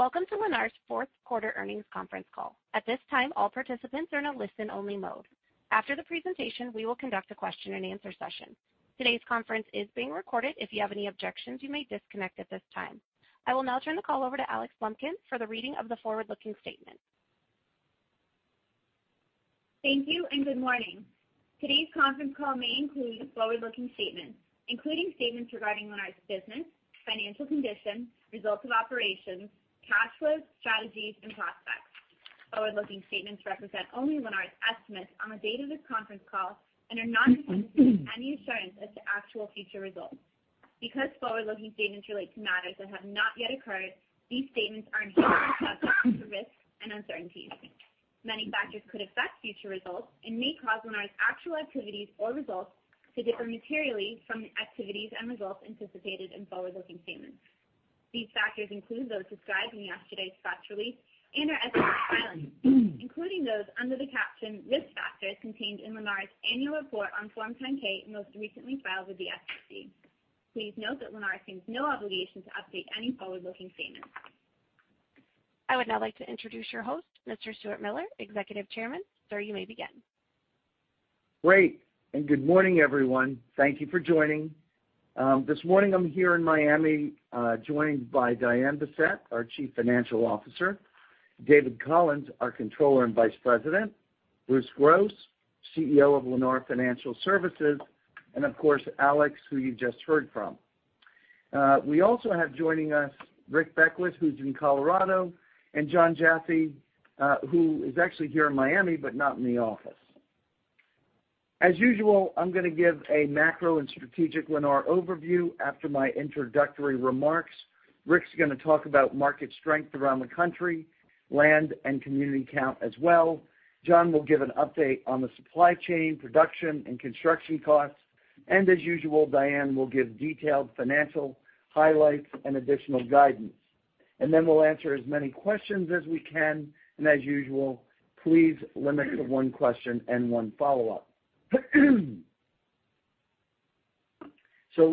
Welcome to Lennar's Fourth Quarter Earnings Conference Call. At this time, all participants are in a listen-only mode. After the presentation, we will conduct a question-and-answer session. Today's conference is being recorded. If you have any objections, you may disconnect at this time. I will now turn the call over to Alex Lumpkin for the reading of the forward-looking statement. Thank you, and good morning. Today's conference call may include forward-looking statements, including statements regarding Lennar's business, financial condition, results of operations, cash flow, strategies, and prospects. Forward-looking statements represent only Lennar's estimates on the date of this conference call and are not any assurance as to actual future results. Because forward-looking statements relate to matters that have not yet occurred, these statements are subject to risks and uncertainties. Many factors could affect future results and may cause Lennar's actual activities or results to differ materially from the activities and results anticipated in forward-looking statements. These factors include those described in yesterday's press release and our SEC filings, including those under the caption Risk Factors contained in Lennar's annual report on Form 10-K most recently filed with the SEC. Please note that Lennar assumes no obligation to update any forward-looking statements. I would now like to introduce your host, Mr. Stuart Miller, Executive Chairman. Sir, you may begin. Great, good morning, everyone. Thank you for joining. This morning I'm here in Miami, joined by Diane Bessette, our Chief Financial Officer, David Collins, our Controller and Vice President, Bruce Gross, CEO of Lennar Financial Services, and of course, Alex Lumpkin, who you just heard from. We also have joining us Rick Beckwitt, who's in Colorado, and Jon Jaffe, who is actually here in Miami, but not in the office. As usual, I'm gonna give a macro and strategic Lennar overview after my introductory remarks. Rick's gonna talk about market strength around the country, land and community count as well. Jon will give an update on the supply chain, production, and construction costs. As usual, Diane will give detailed financial highlights and additional guidance. We'll answer as many questions as we can. As usual, please limit it to one question and one follow-up.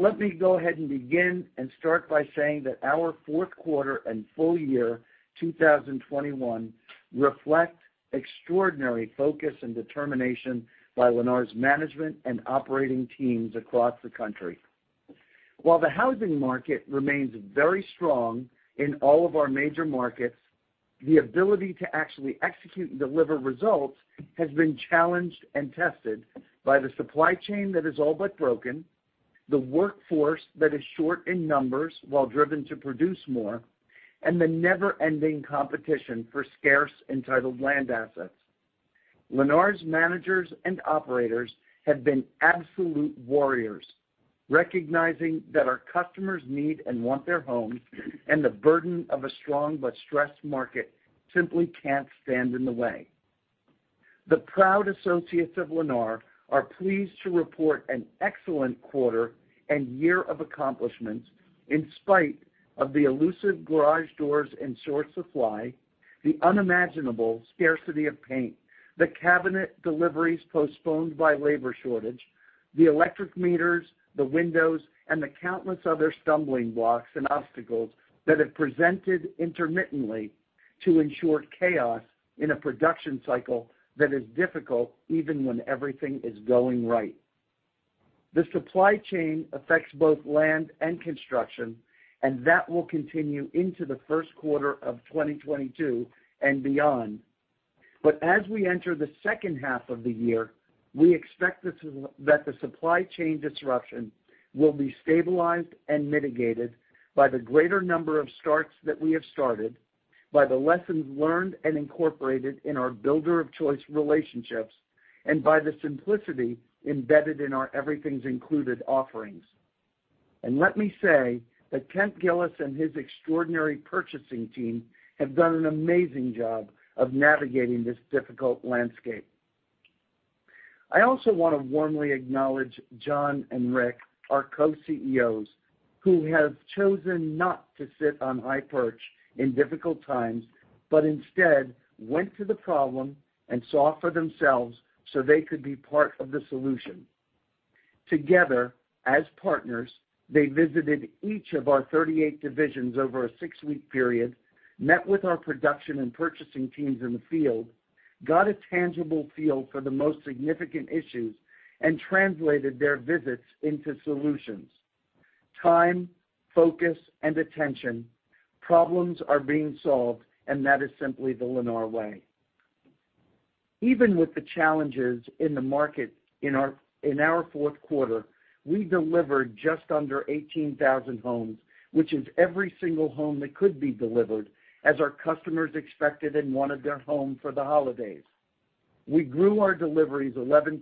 Let me go ahead and begin and start by saying that our fourth quarter and full year 2021 reflect extraordinary focus and determination by Lennar's management and operating teams across the country. While the housing market remains very strong in all of our major markets, the ability to actually execute and deliver results has been challenged and tested by the supply chain that is all but broken, the workforce that is short in numbers while driven to produce more, and the never-ending competition for scarce entitled land assets. Lennar's managers and operators have been absolute warriors, recognizing that our customers need and want their homes and the burden of a strong but stressed market simply can't stand in the way. The proud associates of Lennar are pleased to report an excellent quarter and year of accomplishments in spite of the elusive garage doors and short supply, the unimaginable scarcity of paint, the cabinet deliveries postponed by labor shortage, the electric meters, the windows, and the countless other stumbling blocks and obstacles that have presented intermittently to ensure chaos in a production cycle that is difficult even when everything is going right. The supply chain affects both land and construction, and that will continue into the first quarter of 2022 and beyond. As we enter the second half of the year, we expect that the supply chain disruption will be stabilized and mitigated by the greater number of starts that we have started, by the lessons learned and incorporated in our builder-of-choice relationships, and by the simplicity embedded in our Everything's Included® offerings. Let me say that Kemp Gillis and his extraordinary purchasing team have done an amazing job of navigating this difficult landscape. I also want to warmly acknowledge Jon and Rick, our co-CEOs, who have chosen not to sit on high perch in difficult times, but instead went to the problem and saw for themselves so they could be part of the solution. Together, as partners, they visited each of our 38 divisions over a six-week period, met with our production and purchasing teams in the field, got a tangible feel for the most significant issues, and translated their visits into solutions. Time, focus, and attention. Problems are being solved, and that is simply the Lennar way. Even with the challenges in the market in our fourth quarter, we delivered just under 18,000 homes, which is every single home that could be delivered as our customers expected and wanted their home for the holidays. We grew our deliveries 11%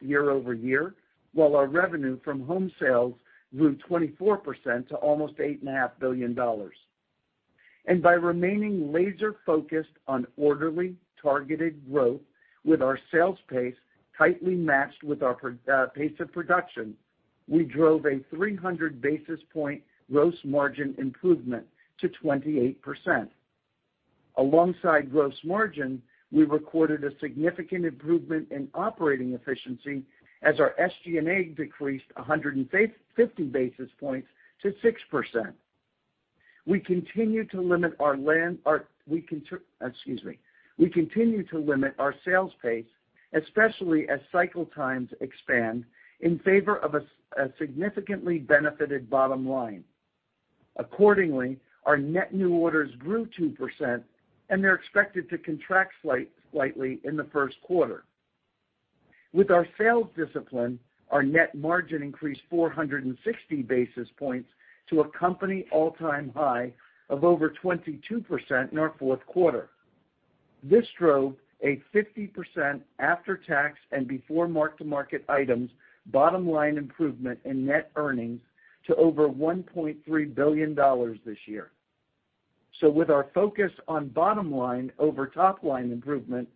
year-over-year, while our revenue from home sales grew 24% to almost $8.5 billion. By remaining laser-focused on orderly, targeted growth with our sales pace tightly matched with our pace of production, we drove a 300 basis point gross margin improvement to 28%. Alongside gross margin, we recorded a significant improvement in operating efficiency as our SG&A decreased 150 basis points to 6%. We continue to limit our land. We continue to limit our sales pace, especially as cycle times expand in favor of a significantly benefited bottom line. Accordingly, our net new orders grew 2%, and they're expected to contract slightly in the first quarter. With our sales discipline, our net margin increased 460 basis points to a company all-time high of over 22% in our fourth quarter. This drove a 50% after-tax and before mark-to-market items bottom line improvement in net earnings to over $1.3 billion this year. With our focus on bottom line over top line improvement,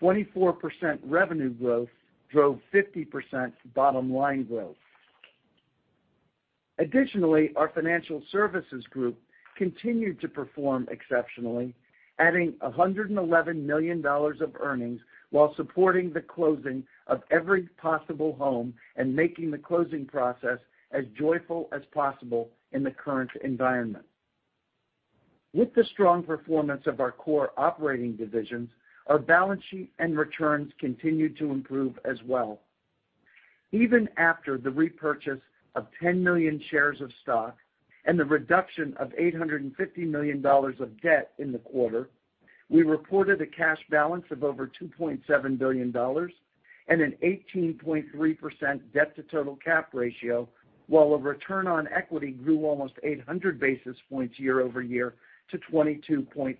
24% revenue growth drove 50% bottom line growth. Additionally, our financial services group continued to perform exceptionally, adding $111 million of earnings while supporting the closing of every possible home and making the closing process as joyful as possible in the current environment. With the strong performance of our core operating divisions, our balance sheet and returns continued to improve as well. Even after the repurchase of 10 million shares of stock and the reduction of $850 million of debt in the quarter, we reported a cash balance of over $2.7 billion and an 18.3% debt to total cap ratio while a return on equity grew almost 800 basis points year-over-year to 22.6%.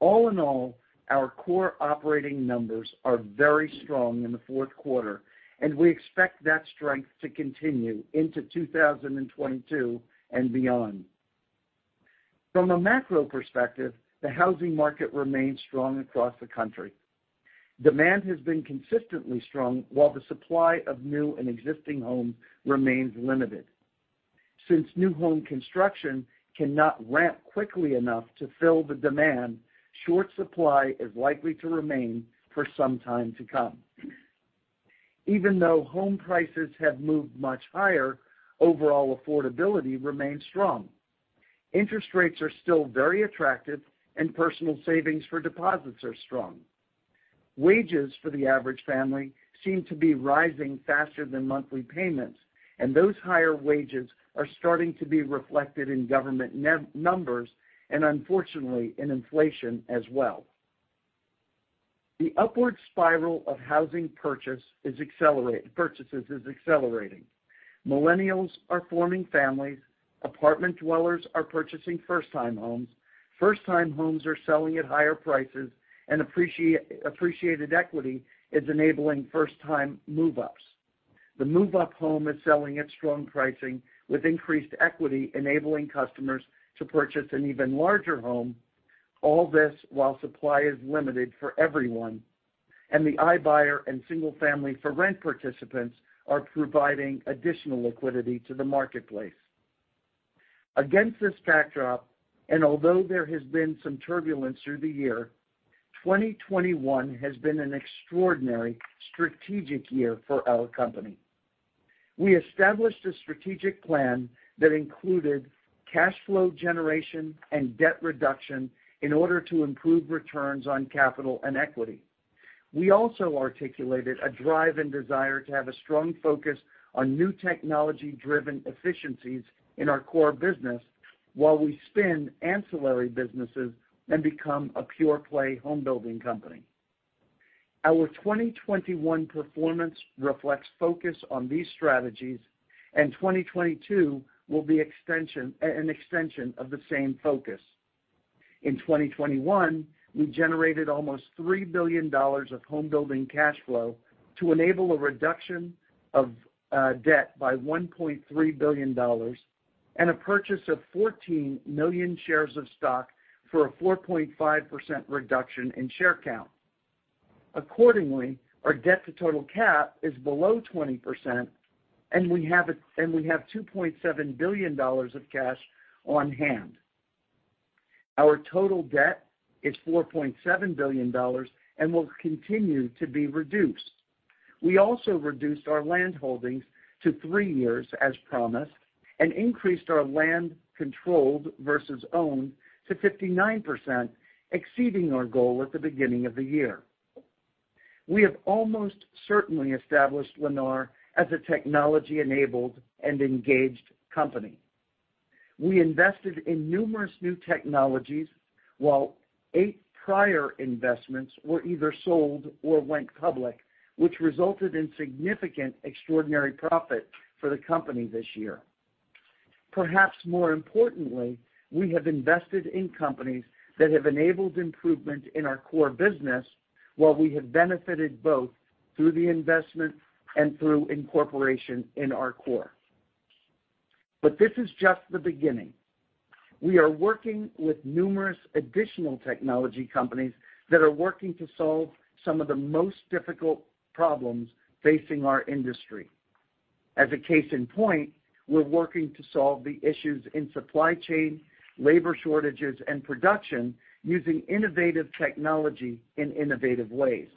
All in all, our core operating numbers are very strong in the fourth quarter, and we expect that strength to continue into 2022 and beyond. From a macro perspective, the housing market remains strong across the country. Demand has been consistently strong while the supply of new and existing homes remains limited. Since new home construction cannot ramp quickly enough to fill the demand, short supply is likely to remain for some time to come. Even though home prices have moved much higher, overall affordability remains strong. Interest rates are still very attractive and personal savings for deposits are strong. Wages for the average family seem to be rising faster than monthly payments, and those higher wages are starting to be reflected in government new numbers and unfortunately in inflation as well. The upward spiral of housing purchases is accelerating. Millennials are forming families, apartment dwellers are purchasing first-time homes. First-time homes are selling at higher prices, and appreciated equity is enabling first-time move-ups. The move-up home is selling at strong pricing with increased equity, enabling customers to purchase an even larger home, all this while supply is limited for everyone, and the iBuyer and single-family for rent participants are providing additional liquidity to the marketplace. Against this backdrop, and although there has been some turbulence through the year, 2021 has been an extraordinary strategic year for our company. We established a strategic plan that included cash flow generation and debt reduction in order to improve returns on capital and equity. We also articulated a drive and desire to have a strong focus on new technology-driven efficiencies in our core business while we spin ancillary businesses and become a pure-play home building company. Our 2021 performance reflects focus on these strategies, and 2022 will be an extension of the same focus. In 2021, we generated almost $3 billion of home building cash flow to enable a reduction of debt by $1.3 billion and a purchase of 14 million shares of stock for a 4.5% reduction in share count. Accordingly, our debt to total cap is below 20%, and we have $2.7 billion of cash on-hand. Our total debt is $4.7 billion and will continue to be reduced. We also reduced our landholdings to three years as promised and increased our land controlled versus owned to 59%, exceeding our goal at the beginning of the year. We have almost certainly established Lennar as a technology-enabled and engaged company. We invested in numerous new technologies while eight prior investments were either sold or went public, which resulted in significant extraordinary profit for the company this year. Perhaps more importantly, we have invested in companies that have enabled improvement in our core business while we have benefited both through the investment and through incorporation in our core. This is just the beginning. We are working with numerous additional technology companies that are working to solve some of the most difficult problems facing our industry. As a case in point, we're working to solve the issues in supply chain, labor shortages, and production using innovative technology in innovative ways.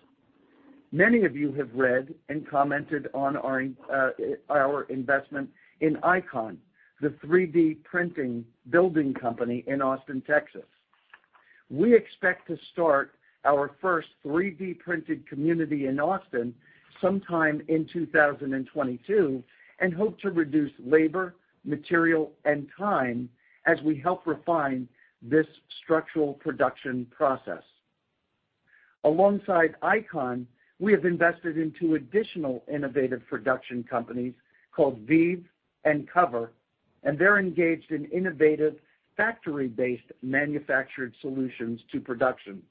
Many of you have read and commented on our investment in ICON, the 3D printing building company in Austin, Texas. We expect to start our first 3D printed community in Austin sometime in 2022, and hope to reduce labor, material, and time as we help refine this structural production process. Alongside ICON, we have invested in two additional innovative production companies called Veev and Cover, and they're engaged in innovative factory-based manufactured solutions to production.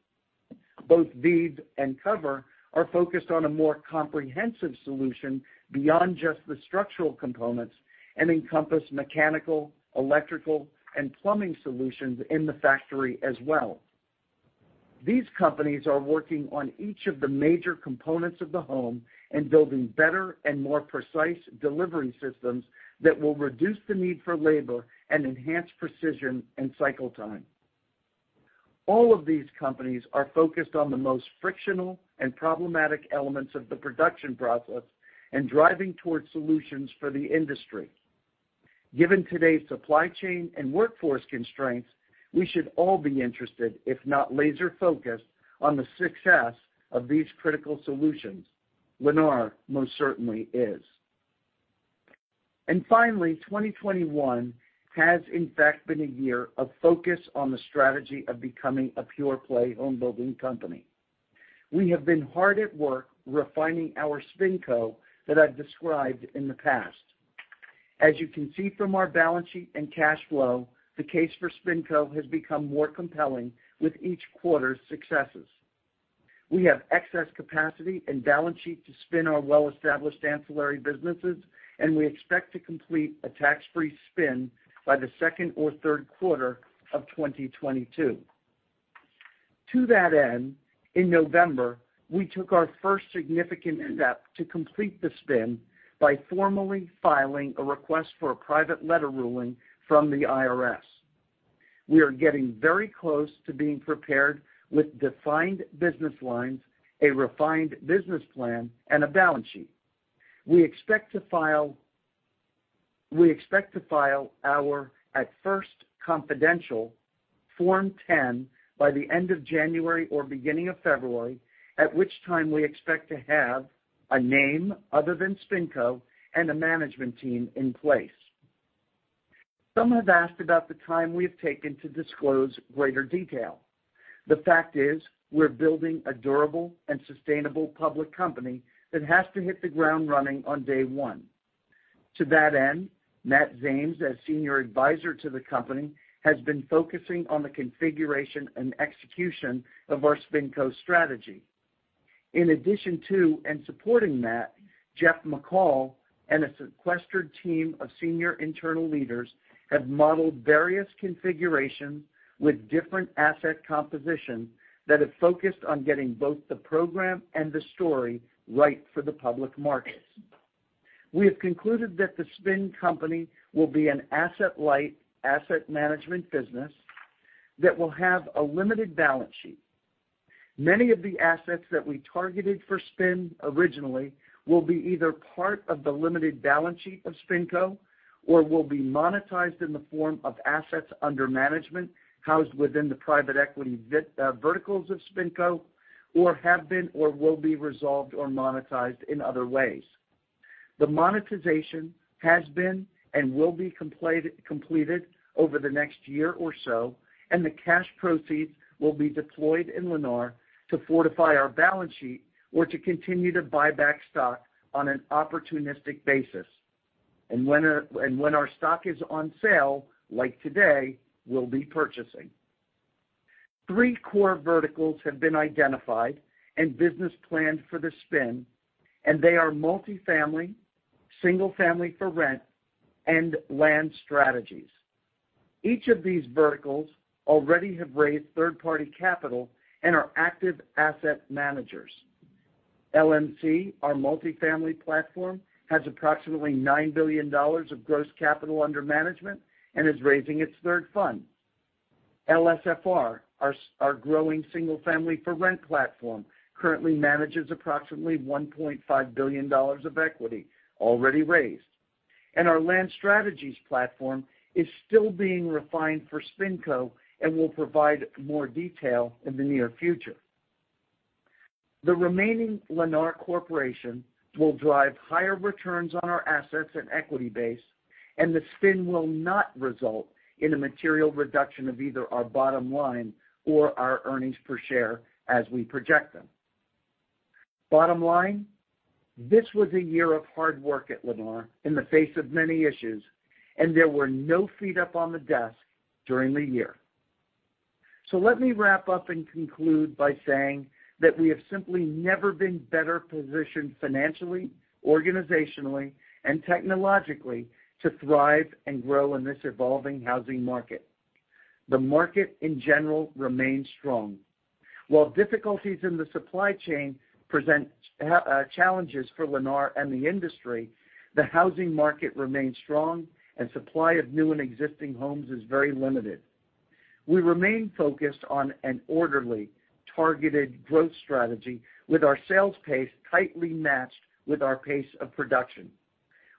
Both Veev and Cover are focused on a more comprehensive solution beyond just the structural components, and encompass mechanical, electrical, and plumbing solutions in the factory as well. These companies are working on each of the major components of the home and building better and more precise delivery systems that will reduce the need for labor and enhance precision and cycle time. All of these companies are focused on the most frictional and problematic elements of the production process, and driving towards solutions for the industry. Given today's supply chain and workforce constraints, we should all be interested, if not laser-focused, on the success of these critical solutions. Lennar most certainly is. Finally, 2021 has in fact been a year of focus on the strategy of becoming a pure play home building company. We have been hard at work refining our SpinCo that I've described in the past. As you can see from our balance sheet and cash flow, the case for SpinCo has become more compelling with each quarter's successes. We have excess capacity and balance sheet to spin our well-established ancillary businesses, and we expect to complete a tax-free spin by the second or third quarter of 2022. To that end, in November, we took our first significant step to complete the spin by formally filing a request for a private letter ruling from the IRS. We are getting very close to being prepared with defined business lines, a refined business plan, and a balance sheet. We expect to file our, at first confidential, Form 10 by the end of January or beginning of February, at which time we expect to have a name other than SpinCo and a management team in place. Some have asked about the time we have taken to disclose greater detail. The fact is, we're building a durable and sustainable public company that has to hit the ground running on day one. To that end, Matt Zames, as Senior Advisor to the company, has been focusing on the configuration and execution of our SpinCo strategy. In addition to, and supporting Matt, Jeff McCall and a sequestered team of senior internal leaders have modeled various configurations with different asset composition that have focused on getting both the program and the story right for the public markets. We have concluded that the spin company will be an asset-light asset management business that will have a limited balance sheet. Many of the assets that we targeted for spin originally will be either part of the limited balance sheet of SpinCo or will be monetized in the form of assets under management housed within the private equity verticals of SpinCo, or have been or will be resolved or monetized in other ways. The monetization has been and will be completed over the next year or so, and the cash proceeds will be deployed in Lennar to fortify our balance sheet or to continue to buy back stock on an opportunistic basis. When our stock is on sale, like today, we'll be purchasing. Three core verticals have been identified and business planned for the spin, and they are multifamily, single family for rent, and land strategies. Each of these verticals already have raised third-party capital and are active asset managers. LMC, our multifamily platform, has approximately $9 billion of gross capital under management and is raising its third fund. LSFR, our growing single family for rent platform, currently manages approximately $1.5 billion of equity already raised. Our land strategies platform is still being refined for SpinCo and we'll provide more detail in the near future. The remaining Lennar Corporation will drive higher returns on our assets and equity base, and the spin will not result in a material reduction of either our bottom line or our earnings per share as we project them. Bottom line, this was a year of hard work at Lennar in the face of many issues, and there were no feet up on the desk during the year. Let me wrap up and conclude by saying that we have simply never been better positioned financially, organizationally, and technologically to thrive and grow in this evolving housing market. The market in general remains strong. While difficulties in the supply chain present challenges for Lennar and the industry, the housing market remains strong and supply of new and existing homes is very limited. We remain focused on an orderly, targeted growth strategy with our sales pace tightly matched with our pace of production.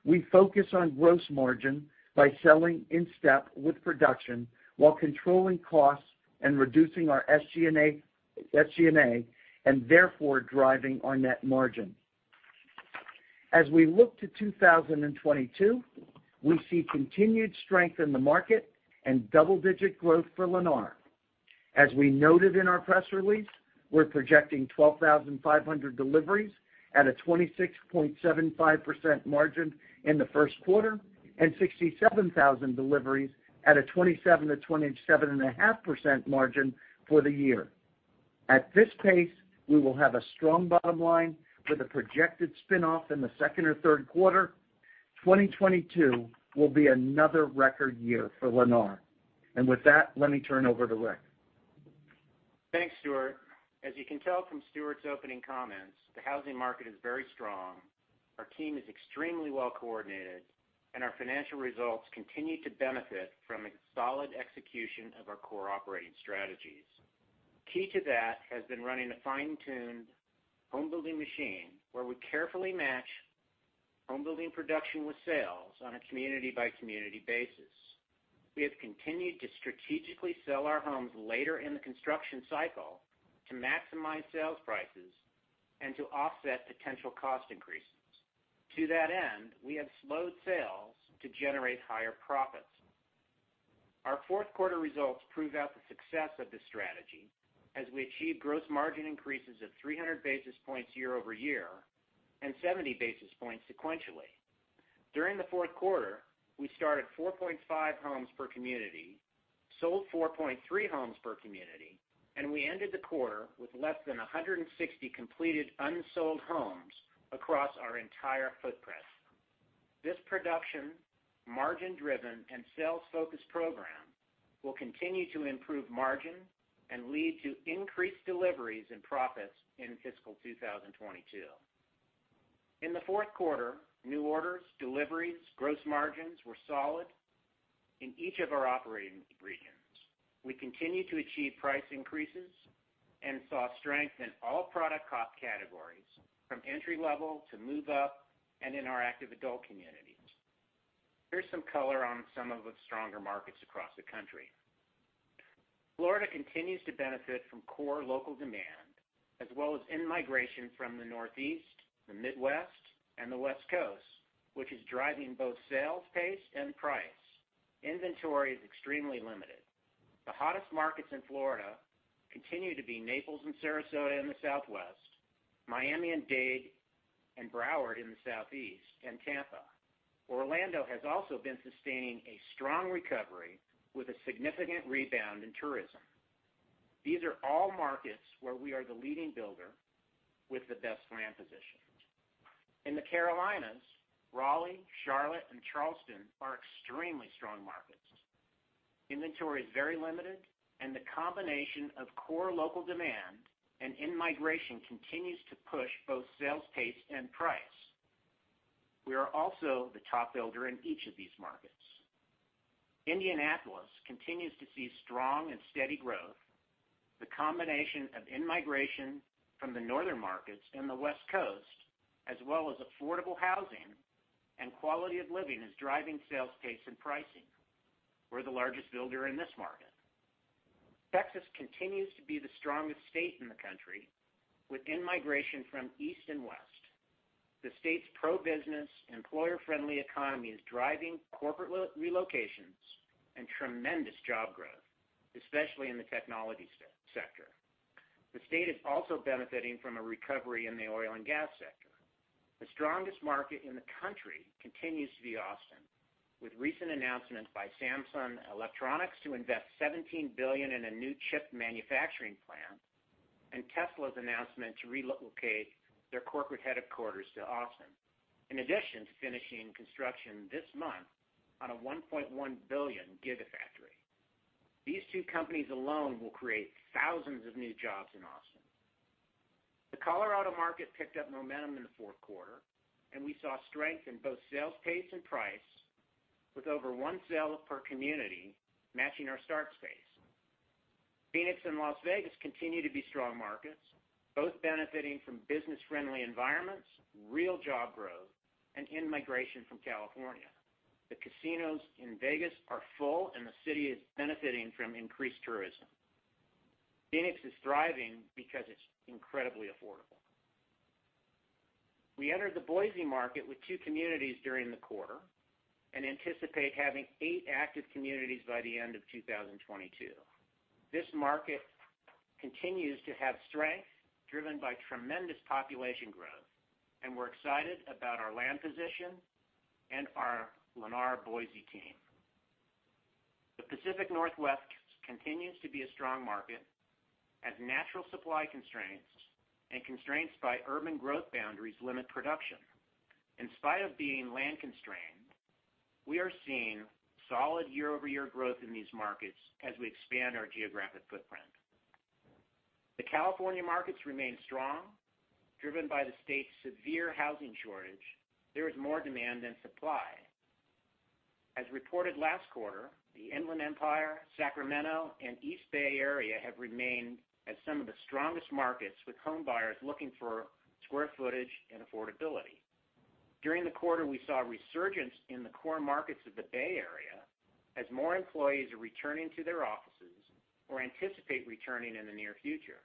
We focus on gross margin by selling in step with production while controlling costs and reducing our SG&A, and therefore driving our net margin. As we look to 2022, we see continued strength in the market and double-digit growth for Lennar. As we noted in our press release, we're projecting 12,500 deliveries at a 26.75% margin in the first quarter, and 67,000 deliveries at a 27%-27.5% margin for the year. At this pace, we will have a strong bottom line with a projected spin-off in the second or third quarter. 2022 will be another record year for Lennar. With that, let me turn over to Rick. Thanks, Stuart. As you can tell from Stuart's opening comments, the housing market is very strong, our team is extremely well coordinated, and our financial results continue to benefit from a solid execution of our core operating strategies. Key to that has been running a fine-tuned home building machine where we carefully match home building production with sales on a community-by-community basis. We have continued to strategically sell our homes later in the construction cycle to maximize sales prices and to offset potential cost increases. To that end, we have slowed sales to generate higher profits. Our fourth quarter results prove out the success of this strategy as we achieve gross margin increases of 300 basis points year-over-year and 70 basis points sequentially. During the fourth quarter, we started 4.5 homes per community, sold 4.3 homes per community, and we ended the quarter with less than 160 completed unsold homes across our entire footprint. This production, margin-driven, and sales-focused program will continue to improve margin and lead to increased deliveries and profits in fiscal 2022. In the fourth quarter, new orders, deliveries, gross margins were solid in each of our operating regions. We continued to achieve price increases and saw strength in all product cost categories from entry-level to move up and in our active adult communities. Here's some color on some of the stronger markets across the country. Florida continues to benefit from core local demand as well as in-migration from the Northeast, the Midwest, and the West Coast, which is driving both sales pace and price. Inventory is extremely limited. The hottest markets in Florida continue to be Naples and Sarasota in the southwest, Miami and Dade and Broward in the southeast, and Tampa. Orlando has also been sustaining a strong recovery with a significant rebound in tourism. These are all markets where we are the leading builder with the best land position. In the Carolinas, Raleigh, Charlotte, and Charleston are extremely strong markets. Inventory is very limited, and the combination of core local demand and in-migration continues to push both sales pace and price. We are also the top builder in each of these markets. Indianapolis continues to see strong and steady growth. The combination of in-migration from the northern markets and the West Coast, as well as affordable housing and quality of living, is driving sales pace and pricing. We're the largest builder in this market. Texas continues to be the strongest state in the country with in-migration from East and West. The state's pro-business, employer-friendly economy is driving corporate relocations and tremendous job growth, especially in the technology sector. The state is also benefiting from a recovery in the oil and gas sector. The strongest market in the country continues to be Austin, with recent announcements by Samsung Electronics to invest $17 billion in a new chip manufacturing plant and Tesla's announcement to relocate their corporate headquarters to Austin, in addition to finishing construction this month on a $1.1 billion Gigafactory. These two companies alone will create thousands of new jobs in Austin. The Colorado market picked up momentum in the fourth quarter, and we saw strength in both sales pace and price, with over one sale per community matching our sales pace. Phoenix and Las Vegas continue to be strong markets, both benefiting from business-friendly environments, real job growth, and in-migration from California. The casinos in Vegas are full, and the city is benefiting from increased tourism. Phoenix is thriving because it's incredibly affordable. We entered the Boise market with two communities during the quarter and anticipate having eight active communities by the end of 2022. This market continues to have strength driven by tremendous population growth, and we're excited about our land position and our Lennar Boise team. The Pacific Northwest continues to be a strong market as natural supply constraints and constraints by urban growth boundaries limit production. In spite of being land-constrained, we are seeing solid year-over-year growth in these markets as we expand our geographic footprint. The California markets remain strong, driven by the state's severe housing shortage. There is more demand than supply. As reported last quarter, the Inland Empire, Sacramento, and East Bay Area have remained as some of the strongest markets with home buyers looking for square footage and affordability. During the quarter, we saw a resurgence in the core markets of the Bay Area as more employees are returning to their offices or anticipate returning in the near future.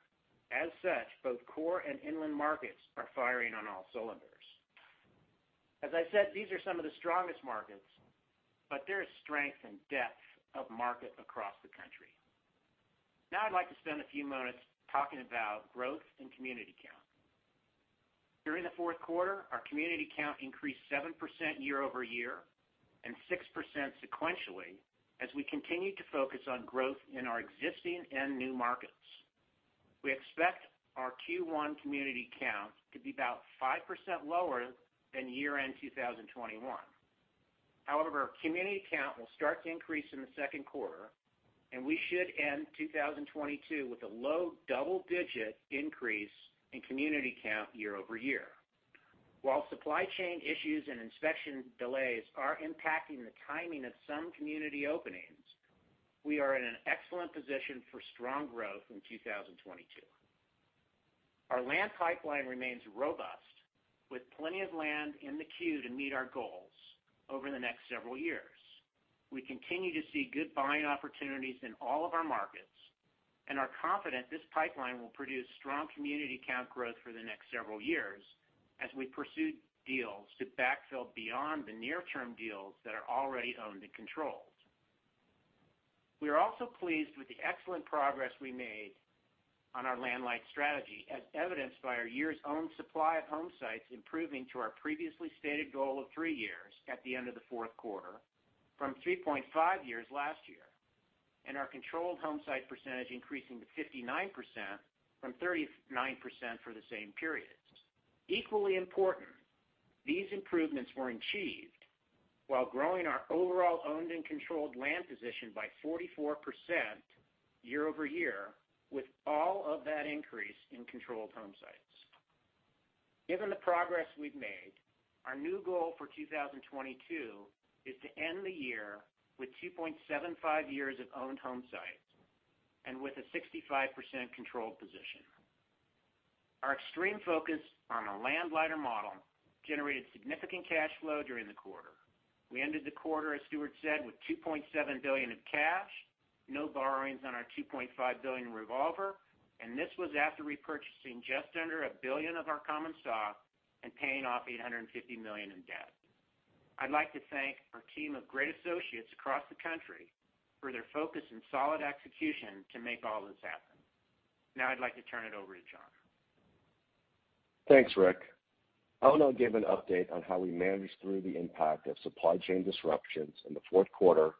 As such, both core and inland markets are firing on all cylinders. As I said, these are some of the strongest markets, but there is strength and depth of market across the country. Now, I'd like to spend a few moments talking about growth and community count. During the fourth quarter, our community count increased 7% year-over-year and 6% sequentially as we continued to focus on growth in our existing and new markets. We expect our Q1 community count to be about 5% lower than year-end 2021. However, our community count will start to increase in the second quarter, and we should end 2022 with a low double-digit increase in community count year-over-year. While supply chain issues and inspection delays are impacting the timing of some community openings, we are in an excellent position for strong growth in 2022. Our land pipeline remains robust, with plenty of land in the queue to meet our goals over the next several years. We continue to see good buying opportunities in all of our markets and are confident this pipeline will produce strong community count growth for the next several years as we pursue deals to backfill beyond the near-term deals that are already owned and controlled. We are also pleased with the excellent progress we made on our land-light strategy, as evidenced by our years-owned supply of homesites improving to our previously stated goal of three years at the end of the fourth quarter from 3.5 years last year, and our controlled homesite percentage increasing to 59% from 39% for the same periods. Equally important, these improvements were achieved while growing our overall owned and controlled land position by 44% year-over-year, with all of that increase in controlled homesites. Given the progress we've made, our new goal for 2022 is to end the year with 2.75 years of owned homesites and with a 65% controlled position. Our extreme focus on a land-lighter model generated significant cash flow during the quarter. We ended the quarter, as Stuart said, with $2.7 billion of cash, no borrowings on our $2.5 billion revolver, and this was after repurchasing just under $1 billion of our common stock and paying off $850 million in debt. I'd like to thank our team of great associates across the country for their focus and solid execution to make all this happen. Now, I'd like to turn it over to Jon. Thanks, Rick. I'll now give an update on how we managed through the impact of supply chain disruptions in the fourth quarter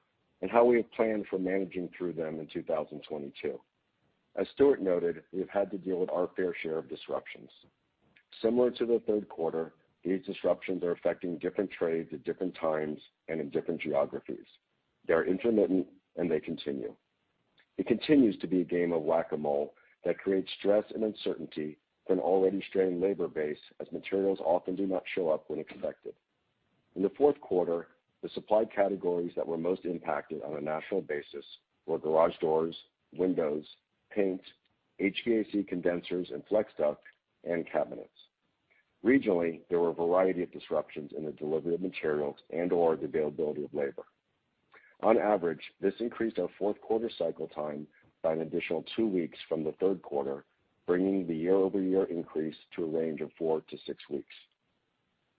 and how we have planned for managing through them in 2022. As Stuart noted, we have had to deal with our fair share of disruptions. Similar to the third quarter, these disruptions are affecting different trades at different times and in different geographies. They are intermittent, and they continue. It continues to be a game of Whac-A-Mole that creates stress and uncertainty for an already strained labor base as materials often do not show up when expected. In the fourth quarter, the supply categories that were most impacted on a national basis were garage doors, windows, paint, HVAC condensers and flex duct, and cabinets. Regionally, there were a variety of disruptions in the delivery of materials and/or the availability of labor. On average, this increased our fourth quarter cycle time by an additional two weeks from the third quarter, bringing the year-over-year increase to a range of four to six weeks.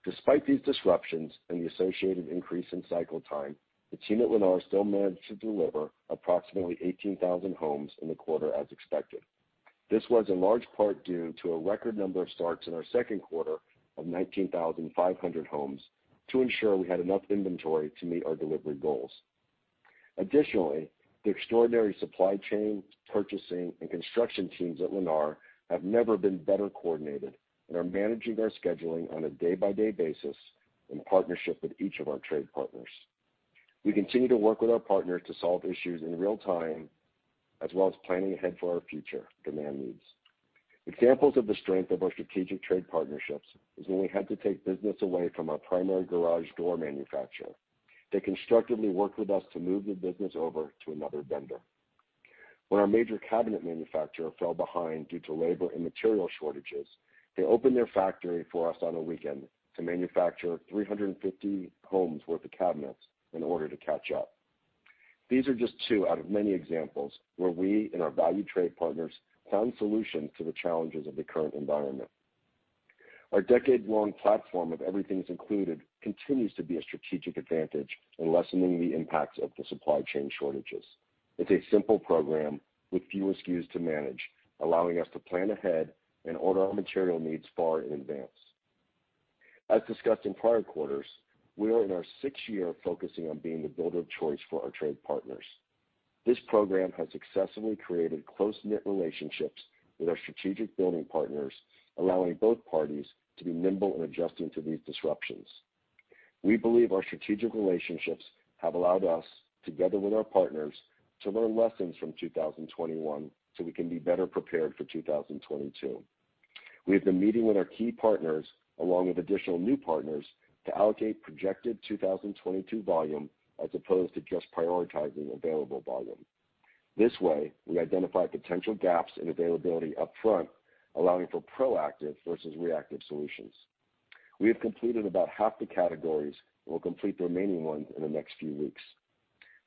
Despite these disruptions and the associated increase in cycle time, the team at Lennar still managed to deliver approximately 18,000 homes in the quarter as expected. This was in large part due to a record number of starts in our second quarter of 19,500 homes to ensure we had enough inventory to meet our delivery goals. Additionally, the extraordinary supply chain, purchasing, and construction teams at Lennar have never been better coordinated and are managing their scheduling on a day-by-day basis in partnership with each of our trade partners. We continue to work with our partners to solve issues in real time, as well as planning ahead for our future demand needs. Examples of the strength of our strategic trade partnerships is when we had to take business away from our primary garage door manufacturer. They constructively worked with us to move the business over to another vendor. When our major cabinet manufacturer fell behind due to labor and material shortages, they opened their factory for us on a weekend to manufacture 350 homes worth of cabinets in order to catch up. These are just two out of many examples where we and our value trade partners found solutions to the challenges of the current environment. Our decade-long platform of Everything's Included® continues to be a strategic advantage in lessening the impacts of the supply chain shortages. It's a simple program with few SKUs to manage, allowing us to plan ahead and order our material needs far in advance. As discussed in prior quarters, we are in our sixth year of focusing on being the Builder of Choice for our trade partners. This program has successfully created close-knit relationships with our strategic building partners, allowing both parties to be nimble in adjusting to these disruptions. We believe our strategic relationships have allowed us, together with our partners, to learn lessons from 2021 so we can be better prepared for 2022. We have been meeting with our key partners along with additional new partners to allocate projected 2022 volume as opposed to just prioritizing available volume. This way, we identify potential gaps in availability up front, allowing for proactive versus reactive solutions. We have completed about half the categories and will complete the remaining ones in the next few weeks.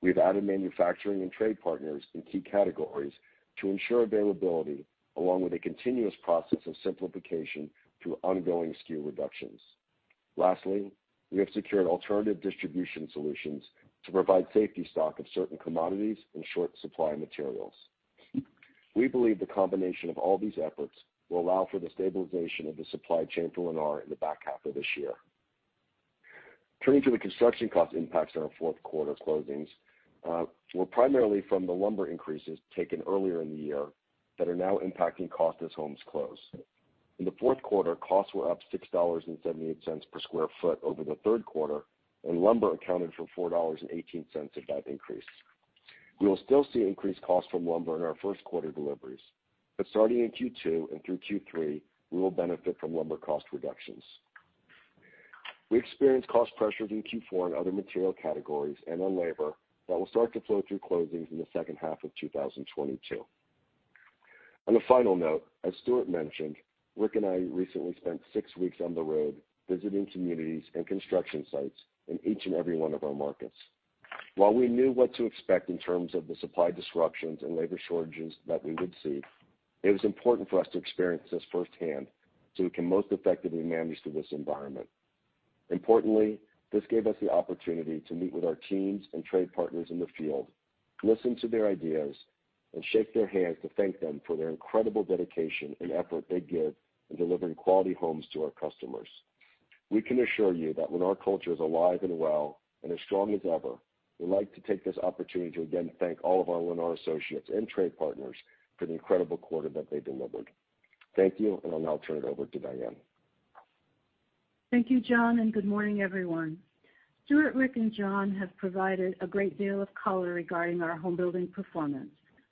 We have added manufacturing and trade partners in key categories to ensure availability along with a continuous process of simplification through ongoing SKU reductions. Lastly, we have secured alternative distribution solutions to provide safety stock of certain commodities and short supply materials. We believe the combination of all these efforts will allow for the stabilization of the supply chain for Lennar in the back half of this year. Turning to the construction cost impacts on our fourth quarter closings, were primarily from the lumber increases taken earlier in the year that are now impacting cost as homes close. In the fourth quarter, costs were up $6.78 per sq ft over the third quarter, and lumber accounted for $4.18 of that increase. We will still see increased costs from lumber in our first quarter deliveries, but starting in Q2 and through Q3, we will benefit from lumber cost reductions. We experienced cost pressures in Q4 in other material categories and on labor that will start to flow through closings in the second half of 2022. On a final note, as Stuart mentioned, Rick and I recently spent six weeks on the road visiting communities and construction sites in each and every one of our markets. While we knew what to expect in terms of the supply disruptions and labor shortages that we would see, it was important for us to experience this firsthand so we can most effectively manage through this environment. Importantly, this gave us the opportunity to meet with our teams and trade partners in the field, listen to their ideas, and shake their hands to thank them for their incredible dedication and effort they give in delivering quality homes to our customers. We can assure you that Lennar culture is alive and well and as strong as ever. We'd like to take this opportunity to again thank all of our Lennar associates and trade partners for the incredible quarter that they delivered. Thank you, and I'll now turn it over to Diane. Thank you, Jon, and good morning, everyone. Stuart, Rick, and Jon have provided a great deal of color regarding our home building performance.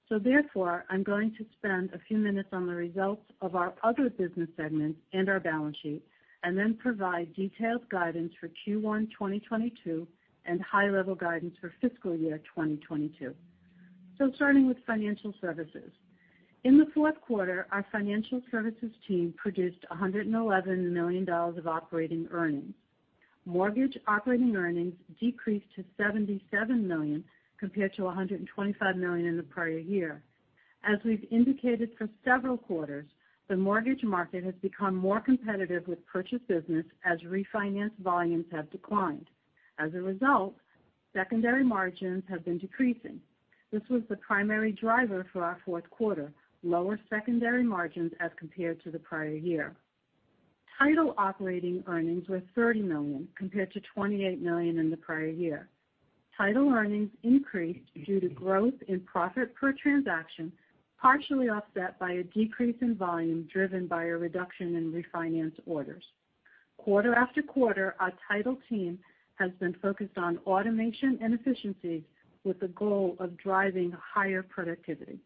Therefore, I'm going to spend a few minutes on the results of our other business segments and our balance sheet, and then provide detailed guidance for Q1 2022 and high-level guidance for fiscal year 2022. Starting with financial services. In the fourth quarter, our financial services team produced $111 million of operating earnings. Mortgage operating earnings decreased to $77 million compared to $125 million in the prior year. As we've indicated for several quarters, the mortgage market has become more competitive with purchase business as refinance volumes have declined. As a result, secondary margins have been decreasing. This was the primary driver for our fourth quarter, lower secondary margins as compared to the prior year. Title operating earnings were $30 million compared to $28 million in the prior year. Title earnings increased due to growth in profit per transaction, partially offset by a decrease in volume driven by a reduction in refinance orders. Quarter after quarter, our title team has been focused on automation and efficiency with the goal of driving higher productivity.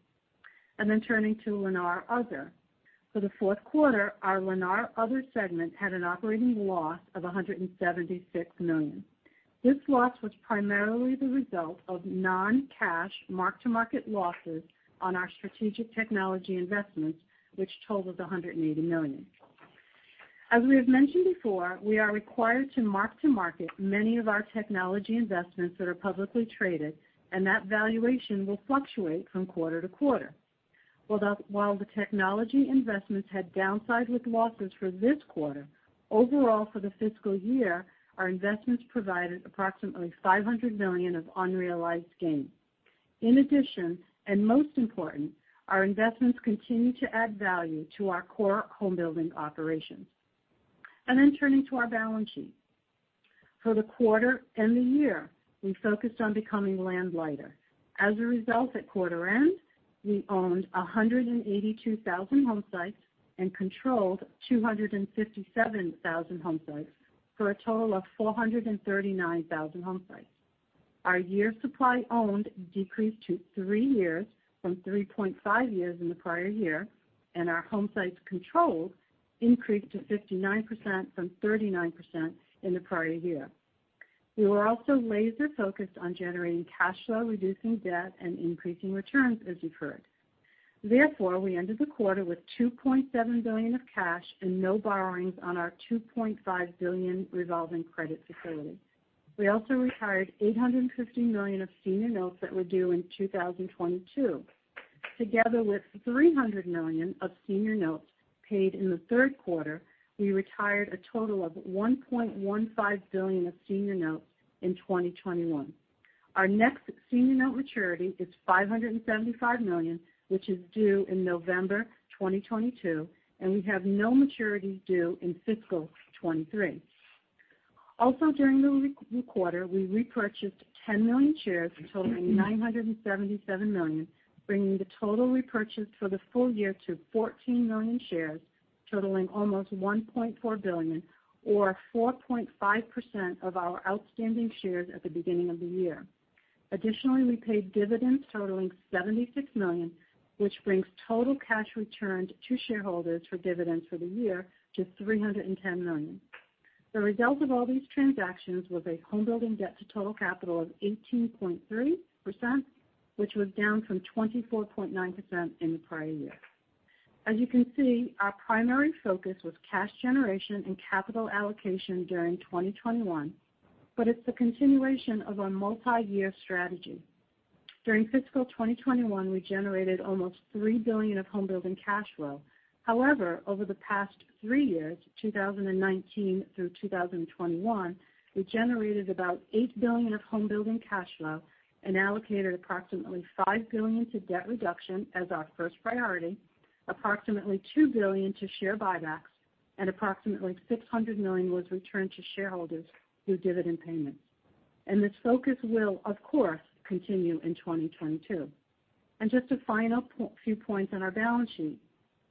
Turning to Lennar Other. For the fourth quarter, our Lennar Other segment had an operating loss of $176 million. This loss was primarily the result of non-cash mark-to-market losses on our strategic technology investments, which totaled $180 million. As we have mentioned before, we are required to mark to market many of our technology investments that are publicly traded, and that valuation will fluctuate from quarter to quarter. While the technology investments had downside with losses for this quarter, overall for the fiscal year, our investments provided approximately $500 million of unrealized gain. In addition, and most important, our investments continue to add value to our core home building operations. Turning to our balance sheet. For the quarter and the year, we focused on becoming land lighter. As a result, at quarter end, we owned 182,000 home sites and controlled 257,000 home sites for a total of 439,000 home sites. Our years supply owned decreased to three years from 3.5 years in the prior year, and our home sites controlled increased to 59% from 39% in the prior year. We were also laser focused on generating cash flow, reducing debt, and increasing returns, as you've heard. Therefore, we ended the quarter with $2.7 billion of cash and no borrowings on our $2.5 billion revolving credit facility. We also retired $850 million of senior notes that were due in 2022. Together with $300 million of senior notes paid in the third quarter, we retired a total of $1.15 billion of senior notes in 2021. Our next senior note maturity is $575 million, which is due in November 2022, and we have no maturities due in fiscal 2023. Also, during the quarter, we repurchased 10 million shares totaling $977 million, bringing the total repurchase for the full year to 14 million shares totaling almost $1.4 billion or 4.5% of our outstanding shares at the beginning of the year. Additionally, we paid dividends totaling $76 million, which brings total cash returned to shareholders for dividends for the year to $310 million. The result of all these transactions was a home building debt to total capital of 18.3%, which was down from 24.9% in the prior year. As you can see, our primary focus was cash generation and capital allocation during 2021, but it's the continuation of our multi-year strategy. During fiscal 2021, we generated almost $3 billion of home building cash flow. However, over the past three years, 2019 through 2021, we generated about $8 billion of home building cash flow and allocated approximately $5 billion to debt reduction as our first priority, approximately $2 billion to share buybacks, and approximately $600 million was returned to shareholders through dividend payments. This focus will, of course, continue in 2022. Just a final few points on our balance sheet.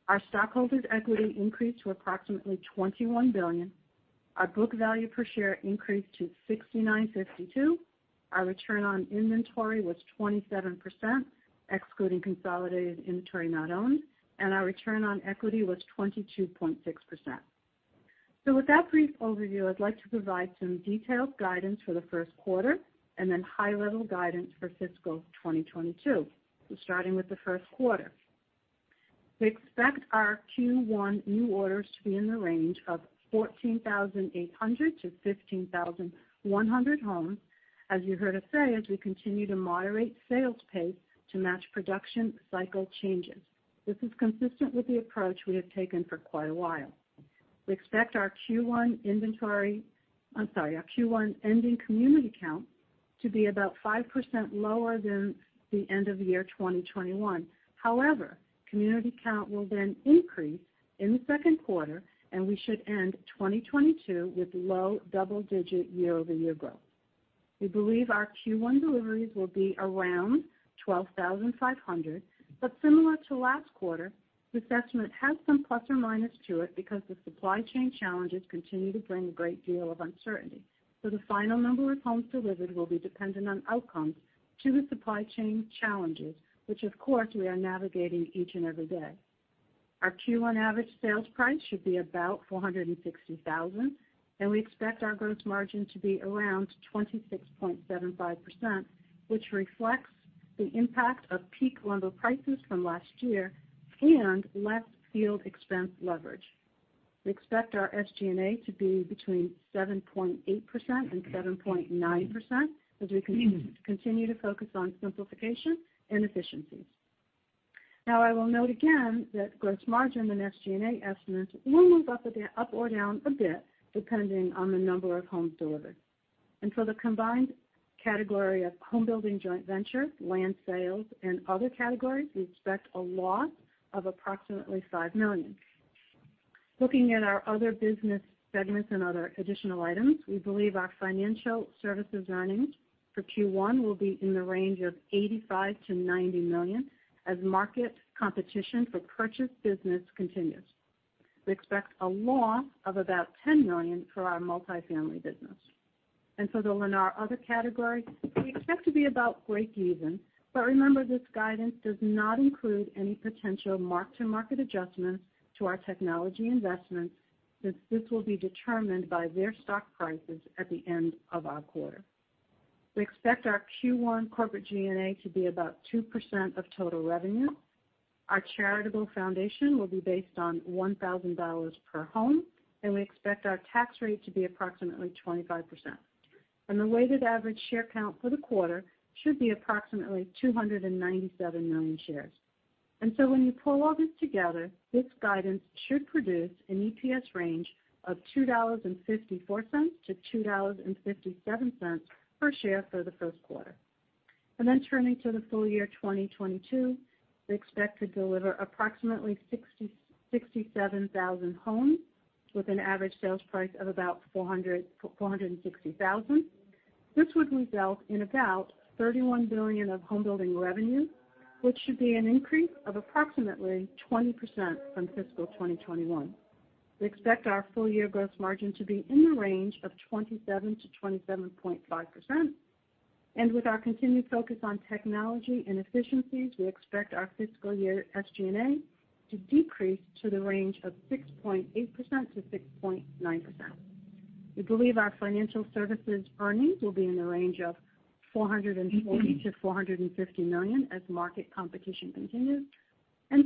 Our stockholders' equity increased to approximately $21 billion. Our book value per share increased to $69.52. Our return on inventory was 27%, excluding consolidated inventory not owned, and our return on equity was 22.6%. With that brief overview, I'd like to provide some detailed guidance for the first quarter and then high-level guidance for fiscal 2022. Starting with the first quarter. We expect our Q1 new orders to be in the range of 14,800-15,100 homes, as you heard us say, as we continue to moderate sales pace to match production cycle changes. This is consistent with the approach we have taken for quite a while. We expect our Q1 inventory... I'm sorry, we expect our Q1 ending community count to be about 5% lower than the end of year 2021. However, community count will then increase in the second quarter, and we should end 2022 with low double-digit year-over-year growth. We believe our Q1 deliveries will be around 12,500, but similar to last quarter, this estimate has some plus or minus to it because the supply chain challenges continue to bring a great deal of uncertainty. The final number of homes delivered will be dependent on outcomes to the supply chain challenges, which of course, we are navigating each and every day. Our Q1 average sales price should be about $460,000, and we expect our gross margin to be around 26.75%, which reflects the impact of peak lumber prices from last year and less field expense leverage. We expect our SG&A to be between 7.8% and 7.9% as we continue to focus on simplification and efficiencies. Now, I will note again that gross margin and SG&A estimates will move up or down a bit depending on the number of homes delivered. The combined category of home building joint venture, land sales, and other categories, we expect a loss of approximately $5 million. Looking at our other business segments and other additional items, we believe our financial services earnings for Q1 will be in the range of $85 million-$90 million as market competition for purchase business continues. We expect a loss of about $10 million for our multifamily business. The Lennar other category, we expect to be about break even, but remember, this guidance does not include any potential mark-to-market adjustments to our technology investments, since this will be determined by their stock prices at the end of our quarter. We expect our Q1 corporate G&A to be about 2% of total revenue. Our charitable foundation will be based on $1,000 per home, and we expect our tax rate to be approximately 25%. The weighted average share count for the quarter should be approximately 297 million shares. When you pull all this together, this guidance should produce an EPS range of $2.54-$2.57 per share for the first quarter. Then turning to the full year 2022, we expect to deliver approximately 67,000 homes with an average sales price of about $460,000. This would result in about $31 billion of home building revenue, which should be an increase of approximately 20% from fiscal 2021. We expect our full-year gross margin to be in the range of 27%-27.5%. With our continued focus on technology and efficiencies, we expect our fiscal year SG&A to decrease to the range of 6.8%-6.9%. We believe our financial services earnings will be in the range of $440 million-$450 million as market competition continues.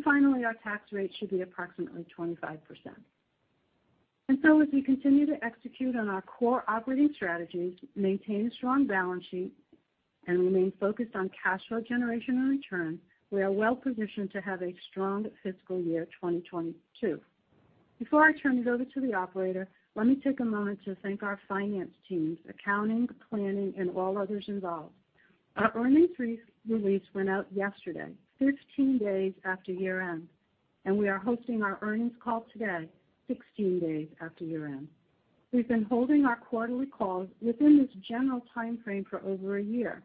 Finally, our tax rate should be approximately 25%. As we continue to execute on our core operating strategies, maintain a strong balance sheet, and remain focused on cash flow generation and return, we are well-positioned to have a strong fiscal year 2022. Before I turn it over to the operator, let me take a moment to thank our finance teams, accounting, planning, and all others involved. Our earnings release went out yesterday, 15 days after year-end, and we are hosting our earnings call today, 16 days after year-end. We've been holding our quarterly calls within this general timeframe for over a year.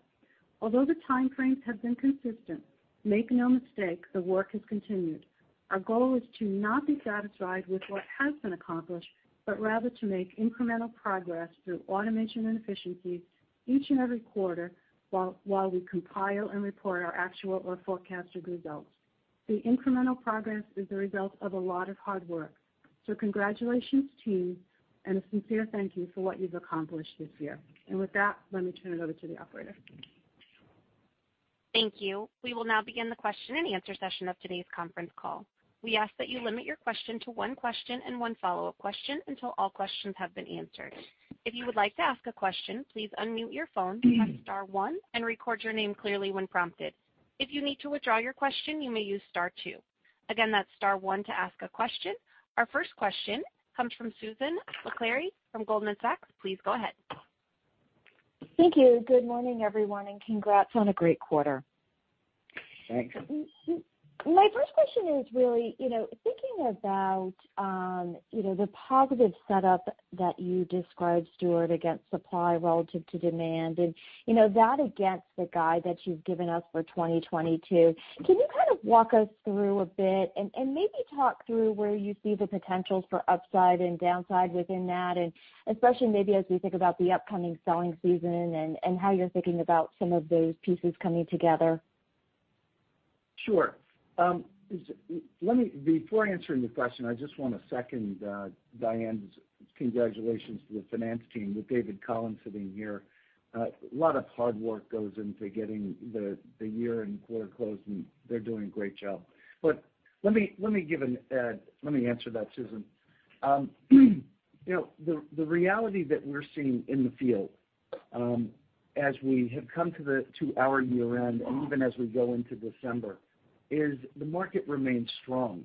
Although the timeframes have been consistent, make no mistake, the work has continued. Our goal is to not be satisfied with what has been accomplished, but rather to make incremental progress through automation and efficiency each and every quarter while we compile and report our actual or forecasted results. The incremental progress is the result of a lot of hard work. So congratulations, team, and a sincere thank you for what you've accomplished this year. With that, let me turn it over to the operator. Thank you. We will now begin the question and answer session of today's conference call. We ask that you limit your question to one question and one follow-up question until all questions have been answered. If you would like to ask a question, please unmute your phone, press star one, and record your name clearly when prompted. If you need to withdraw your question, you may use star two. Again, that's star one to ask a question. Our first question comes from Susan Maklari from Goldman Sachs. Please go ahead. Thank you. Good morning, everyone, and congrats on a great quarter. Thanks. My first question is really, you know, thinking about the positive setup that you described, Stuart, against supply relative to demand, and you know, that against the guide that you've given us for 2022, can you kind of walk us through a bit and maybe talk through where you see the potentials for upside and downside within that? Especially maybe as we think about the upcoming selling season and how you're thinking about some of those pieces coming together. Sure. Before answering the question, I just wanna second Diane's congratulations to the finance team with David Collins sitting here. A lot of hard work goes into getting the year and quarter closed, and they're doing a great job. Let me answer that, Susan. You know, the reality that we're seeing in the field, as we have come to our year-end, and even as we go into December, is the market remains strong.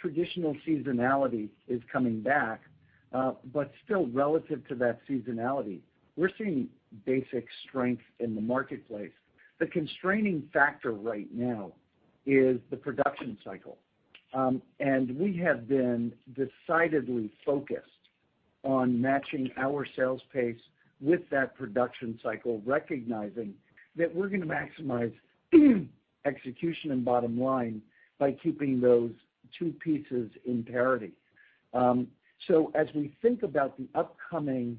Traditional seasonality is coming back, but still relative to that seasonality, we're seeing basic strength in the marketplace. The constraining factor right now is the production cycle. We have been decidedly focused on matching our sales pace with that production cycle, recognizing that we're gonna maximize execution and bottom line by keeping those two pieces in parity. As we think about the upcoming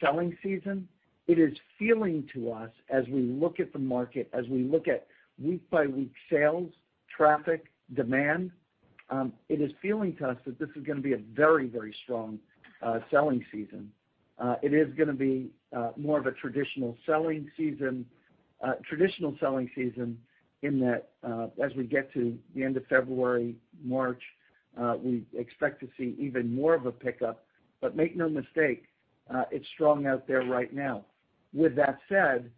selling season, it is feeling to us as we look at the market, as we look at week-by-week sales, traffic, demand, it is feeling to us that this is gonna be a very, very strong selling season. It is gonna be more of a traditional selling season in that, as we get to the end of February, March, we expect to see even more of a pickup. Make no mistake, it's strong out there right now. With that said,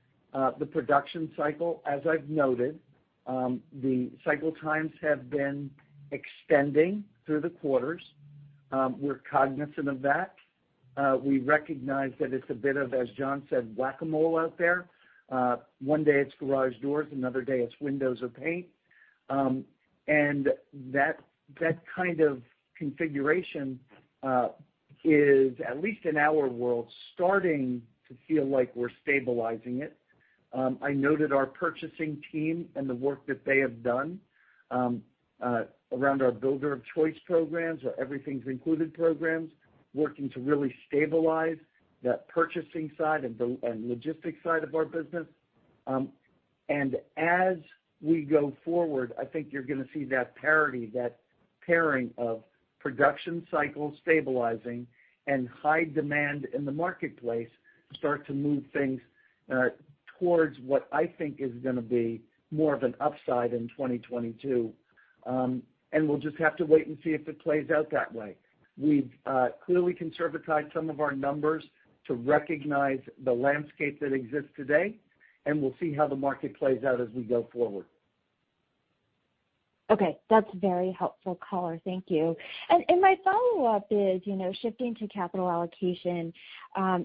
the production cycle, as I've noted, the cycle times have been extending through the quarters. We're cognizant of that. We recognize that it's a bit of, as Jon said, Whac-A-Mole out there. One day it's garage doors, another day it's windows or paint. That kind of configuration is, at least in our world, starting to feel like we're stabilizing it. I noted our purchasing team and the work that they have done around our Builder of Choice programs, our Everything's Included® programs, working to really stabilize that purchasing side and logistics side of our business. As we go forward, I think you're gonna see that parity, that pairing of production cycles stabilizing and high demand in the marketplace start to move things towards what I think is gonna be more of an upside in 2022. We'll just have to wait and see if it plays out that way. We've clearly conservatized some of our numbers to recognize the landscape that exists today, and we'll see how the market plays out as we go forward. Okay, that's very helpful color. Thank you. My follow-up is, you know, shifting to capital allocation,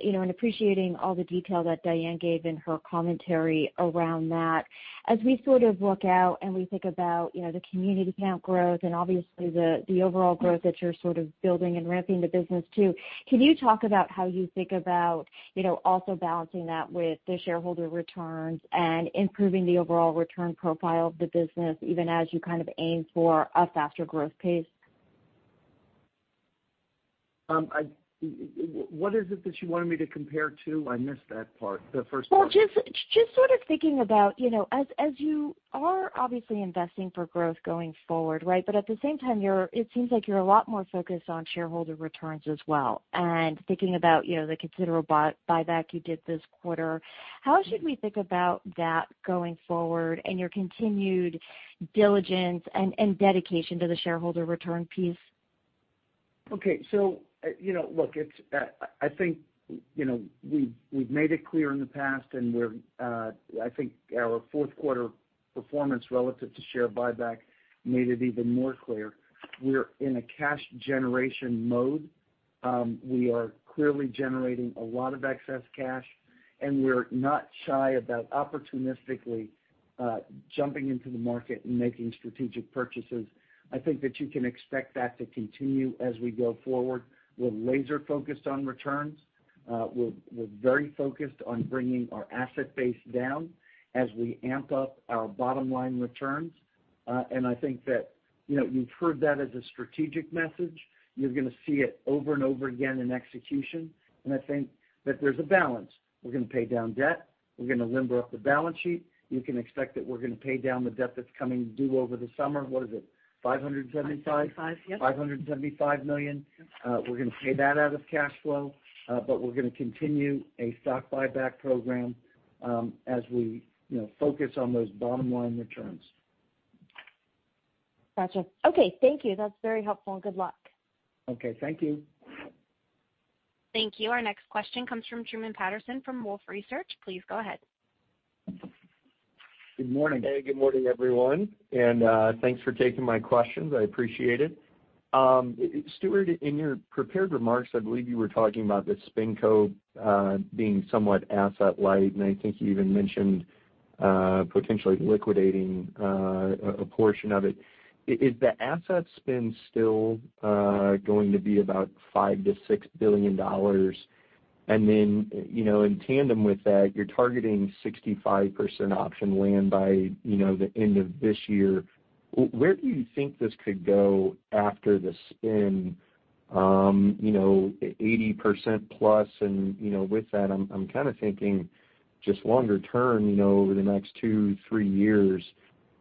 you know, and appreciating all the detail that Diane gave in her commentary around that. As we sort of look out and we think about, you know, the community count growth and obviously the overall growth that you're sort of building and ramping the business to, can you talk about how you think about, you know, also balancing that with the shareholder returns and improving the overall return profile of the business, even as you kind of aim for a faster growth pace? What is it that you wanted me to compare to? I missed that part, the first part. Well, just sort of thinking about, you know, as you are obviously investing for growth going forward, right? But at the same time, it seems like you're a lot more focused on shareholder returns as well. Thinking about, you know, the considerable buyback you did this quarter, how should we think about that going forward and your continued diligence and dedication to the shareholder return piece? Okay. You know, look, it's, I think, you know, we've made it clear in the past, and we're, I think our fourth quarter performance relative to share buyback made it even more clear. We're in a cash generation mode. We are clearly generating a lot of excess cash, and we're not shy about opportunistically jumping into the market and making strategic purchases. I think that you can expect that to continue as we go forward. We're laser focused on returns. We're very focused on bringing our asset base down as we amp up our bottom-line returns. I think that, you know, you've heard that as a strategic message. You're gonna see it over and over again in execution. I think that there's a balance. We're gonna pay down debt. We're gonna limber up the balance sheet. You can expect that we're gonna pay down the debt that's coming due over the summer. What is it? $575 million? yep. $575 million. Yep. We're gonna pay that out of cash flow, but we're gonna continue a stock buyback program, as we, you know, focus on those bottom-line returns. Gotcha. Okay, thank you. That's very helpful, and good luck. Okay, thank you. Thank you. Our next question comes from Truman Patterson from Wolfe Research. Please go ahead. Good morning. Hey, good morning everyone, and thanks for taking my questions. I appreciate it. Stuart, in your prepared remarks, I believe you were talking about the SpinCo being somewhat asset light, and I think you even mentioned potentially liquidating a portion of it. Is the asset spin still going to be about $5 billion-$6 billion? Then, you know, in tandem with that, you're targeting 65% option land by, you know, the end of this year. Where do you think this could go after the spin? You know, 80%+, You know, with that, I'm kind of thinking just longer term, you know, over the next two, three years,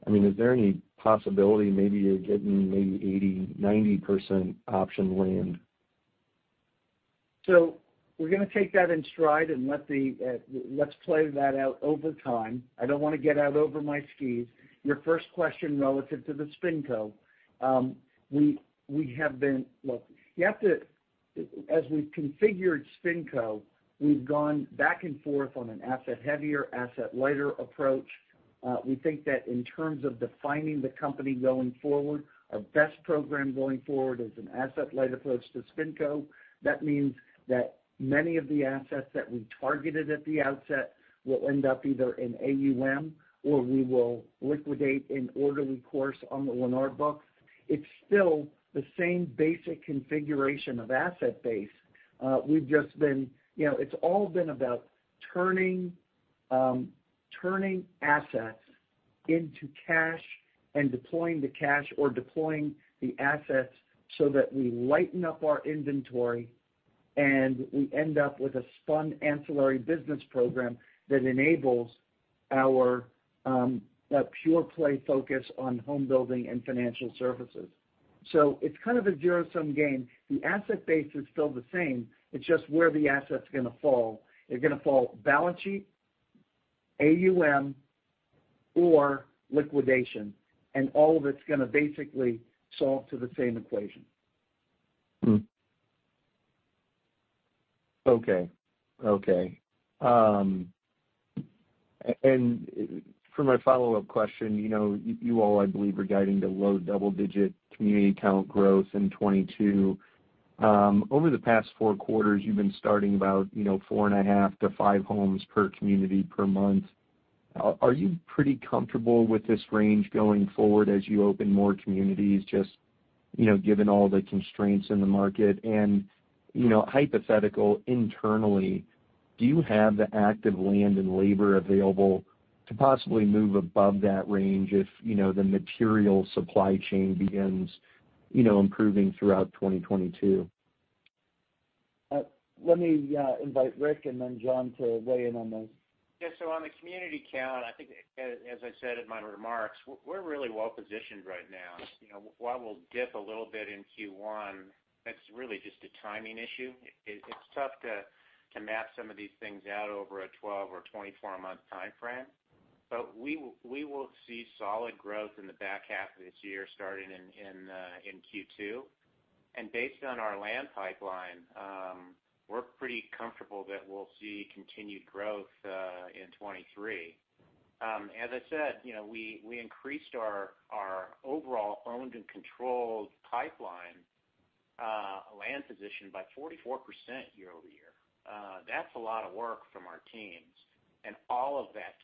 I mean, is there any possibility maybe of getting 80%, 90% option land? We're gonna take that in stride and let's play that out over time. I don't wanna get out over my skis. Your first question relative to SpinCo. As we've configured SpinCo, we've gone back and forth on an asset heavier, asset lighter approach. We think that in terms of defining the company going forward, our best program going forward is an asset-light approach to SpinCo. That means that many of the assets that we targeted at the outset will end up either in AUM, or we will liquidate in orderly course on the Lennar books. It's still the same basic configuration of asset base. We've just been. You know, it's all been about turning assets into cash and deploying the cash or deploying the assets so that we lighten up our inventory, and we end up with a spun ancillary business program that enables our pure play focus on home building and financial services. It's kind of a zero-sum game. The asset base is still the same. It's just where the asset's gonna fall. They're gonna fall balance sheet, AUM, or liquidation, and all of it's gonna basically solve to the same equation. For my follow-up question, you know, you all, I believe, are guiding to low double-digit community count growth in 2022. Over the past four quarters, you've been starting about, you know, 4.5-5 homes per community per month. Are you pretty comfortable with this range going forward as you open more communities just, you know, given all the constraints in the market? You know, hypothetical internally, do you have the active land and labor available to possibly move above that range if, you know, the material supply chain begins, you know, improving throughout 2022? Let me invite Rick and then Jon to weigh in on those. Yes. On the community count, I think as I said in my remarks, we're really well-positioned right now. You know, while we'll dip a little bit in Q1, that's really just a timing issue. It's tough to map some of these things out over a 12- or 24-month timeframe. We will see solid growth in the back half of this year starting in Q2. Based on our land pipeline, we're pretty comfortable that we'll see continued growth in 2023. As I said, you know, we increased our overall owned and controlled pipeline land position by 44% year-over-year. That's a lot of work from our teams, and all of that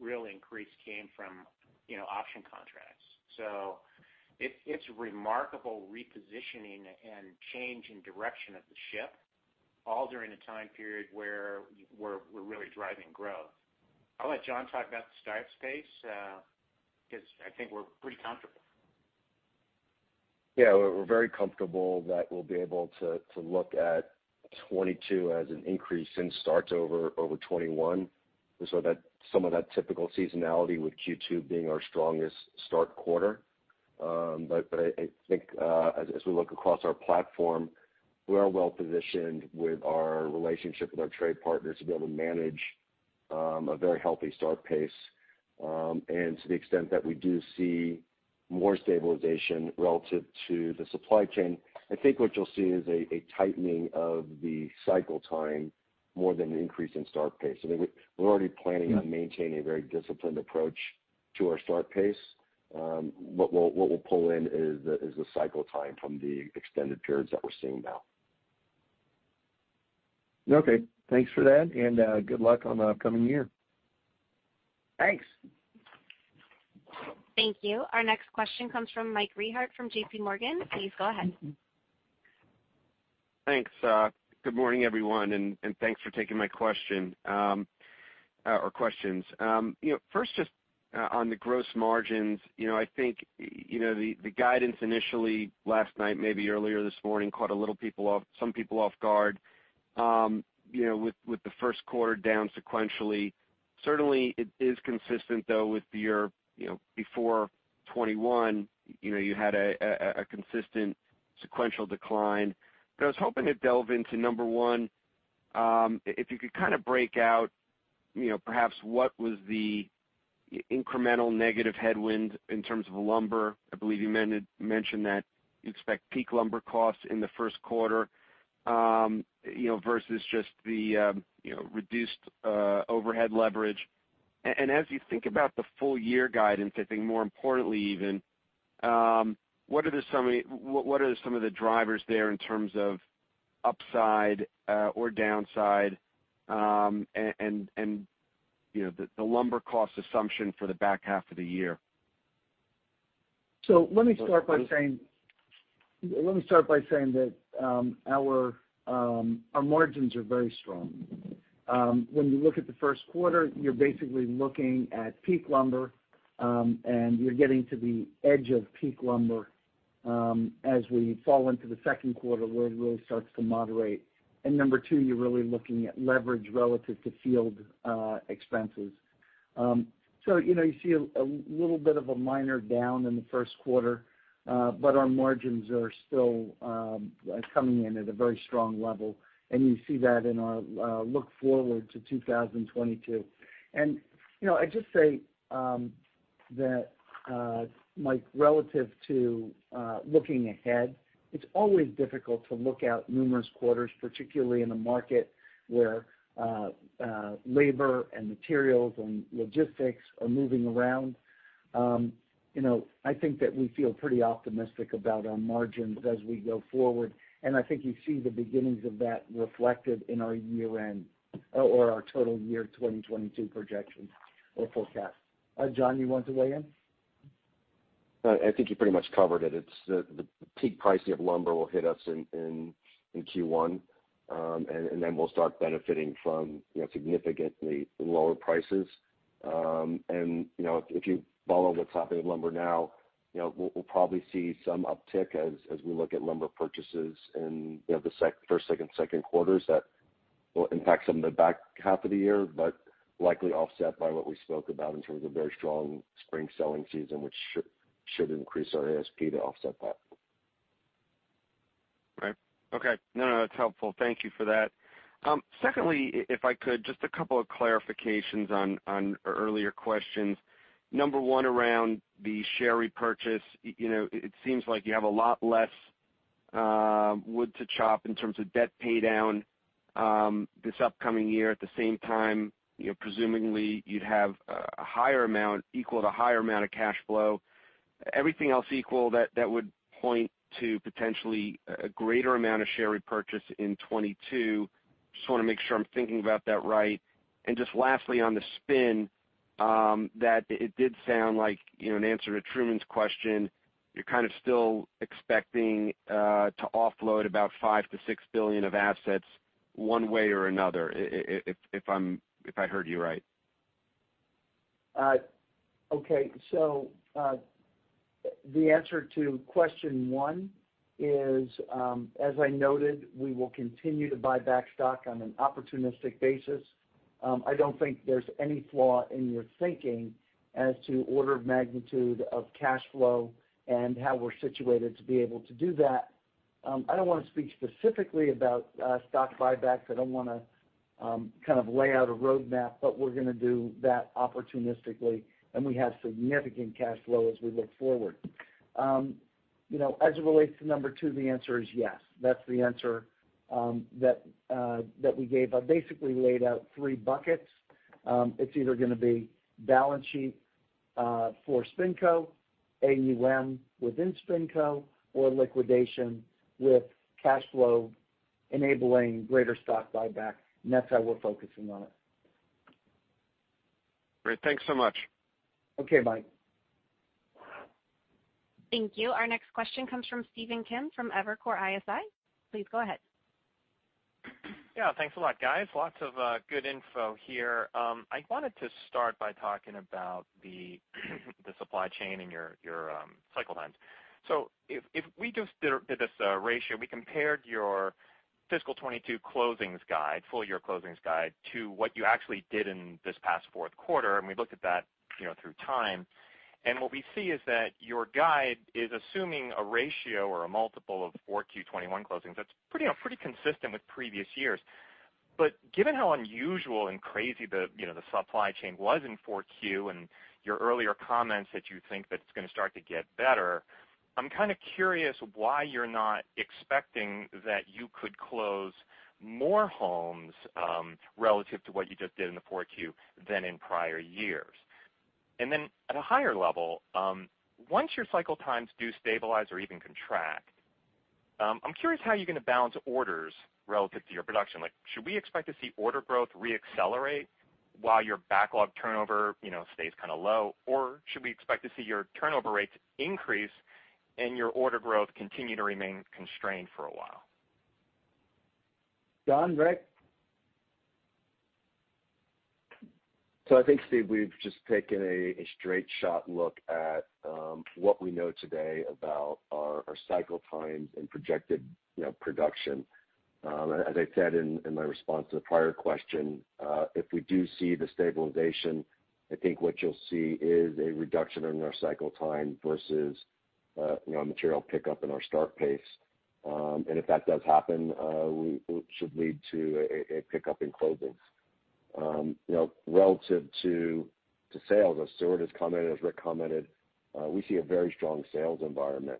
real increase came from, you know, option contracts. It's remarkable repositioning and change in direction of the ship all during a time period where we're really driving growth. I'll let Jon talk about the smart space, because I think we're pretty comfortable. Yeah. We're very comfortable that we'll be able to look at 2022 as an increase in starts over 2021, and so that some of that typical seasonality with Q2 being our strongest start quarter. But I think as we look across our platform, we are well-positioned with our relationship with our trade partners to be able to manage a very healthy start pace. To the extent that we do see more stabilization relative to the supply chain, I think what you'll see is a tightening of the cycle time more than an increase in start pace. I mean, we're already planning on maintaining a very disciplined approach to our start pace. What we'll pull in is the cycle time from the extended periods that we're seeing now. Okay. Thanks for that, and good luck on the upcoming year. Thanks. Thank you. Our next question comes from Mike Rehaut from JPMorgan. Please go ahead. Thanks. Good morning, everyone, and thanks for taking my question or questions. You know, first, just on the gross margins, you know, I think, you know, the guidance initially last night, maybe earlier this morning, caught some people off guard, you know, with the first quarter down sequentially. Certainly it is consistent though with your, you know, before 2021, you know, you had a consistent sequential decline. I was hoping to delve into, number one, if you could kind of break out, you know, perhaps what was the incremental negative headwind in terms of lumber. I believe you mentioned that you expect peak lumber costs in the first quarter, you know, versus just the reduced overhead leverage. As you think about the full year guidance, I think more importantly even, what are some of the drivers there in terms of upside, or downside, and you know, the lumber cost assumption for the back half of the year? Let me start by saying that our margins are very strong. When you look at the first quarter, you're basically looking at peak lumber, and you're getting to the edge of peak lumber. As we fall into the second quarter, where it really starts to moderate. Number two, you're really looking at leverage relative to field expenses. You know, you see a little bit of a minor down in the first quarter, but our margins are still coming in at a very strong level, and you see that in our look forward to 2022. You know, I'd just say that Mike, relative to looking ahead, it's always difficult to look out numerous quarters, particularly in a market where labor and materials and logistics are moving around. You know, I think that we feel pretty optimistic about our margins as we go forward, and I think you see the beginnings of that reflected in our year-end or our total year 2022 projections or forecast. Jon, you want to weigh in? I think you pretty much covered it. It's the peak pricing of lumber will hit us in Q1, and then we'll start benefiting from you know, significantly lower prices. You know, if you follow what's happening with lumber now, you know, we'll probably see some uptick as we look at lumber purchases in, you know, the first, second quarters that will impact some of the back half of the year, but likely offset by what we spoke about in terms of very strong spring selling season, which should increase our ASP to offset that. Right. Okay. No, no, that's helpful. Thank you for that. Secondly, if I could, just a couple of clarifications on earlier questions. Number one, around the share repurchase. You know, it seems like you have a lot less wood to chop in terms of debt paydown this upcoming year. At the same time, you know, presumably you'd have a higher amount of cash flow. Everything else equal, that would point to potentially a greater amount of share repurchase in 2022. Just wanna make sure I'm thinking about that right. Just lastly, on the spin, that it did sound like, you know, in answer to Truman's question, you're kind of still expecting to offload about $5 billion-$6 billion of assets one way or another if I heard you right. Okay. The answer to question one is, as I noted, we will continue to buy back stock on an opportunistic basis. I don't think there's any flaw in your thinking as to order of magnitude of cash flow and how we're situated to be able to do that. I don't wanna speak specifically about stock buybacks. I don't wanna kind of lay out a roadmap, but we're gonna do that opportunistically, and we have significant cash flow as we look forward. You know, as it relates to number two, the answer is yes. That's the answer that we gave. I basically laid out three buckets. It's either gonna be balance sheet for SpinCo, AUM within SpinCo, or liquidation with cash flow enabling greater stock buyback, and that's how we're focusing on it. Great. Thanks so much. Okay, bye. Thank you. Our next question comes from Stephen Kim from Evercore ISI. Please go ahead. Yeah. Thanks a lot, guys. Lots of good info here. I wanted to start by talking about the supply chain and your cycle times. If we just did this ratio, we compared your fiscal 2022 closings guide, full year closings guide to what you actually did in this past fourth quarter, and we looked at that, you know, through time, and what we see is that your guide is assuming a ratio or a multiple of 4Q 2021 closings. That's pretty, you know, pretty consistent with previous years. Given how unusual and crazy the supply chain was in 4Q and your earlier comments that you think that it's gonna start to get better, I'm kind of curious why you're not expecting that you could close more homes relative to what you just did in the 4Q than in prior years. Then at a higher level, once your cycle times do stabilize or even contract, I'm curious how you're gonna balance orders relative to your production. Like, should we expect to see order growth re-accelerate while your backlog turnover, you know, stays kind of low? Or should we expect to see your turnover rates increase and your order growth continue to remain constrained for a while? John? Rick? I think, Steve, we've just taken a straight shot look at what we know today about our cycle times and projected, you know, production. As I said in my response to the prior question, if we do see the stabilization, I think what you'll see is a reduction in our cycle time versus, you know, a material pickup in our start pace. And if that does happen, it should lead to a pickup in closings. You know, relative to sales, as Stuart has commented, as Rick commented, we see a very strong sales environment.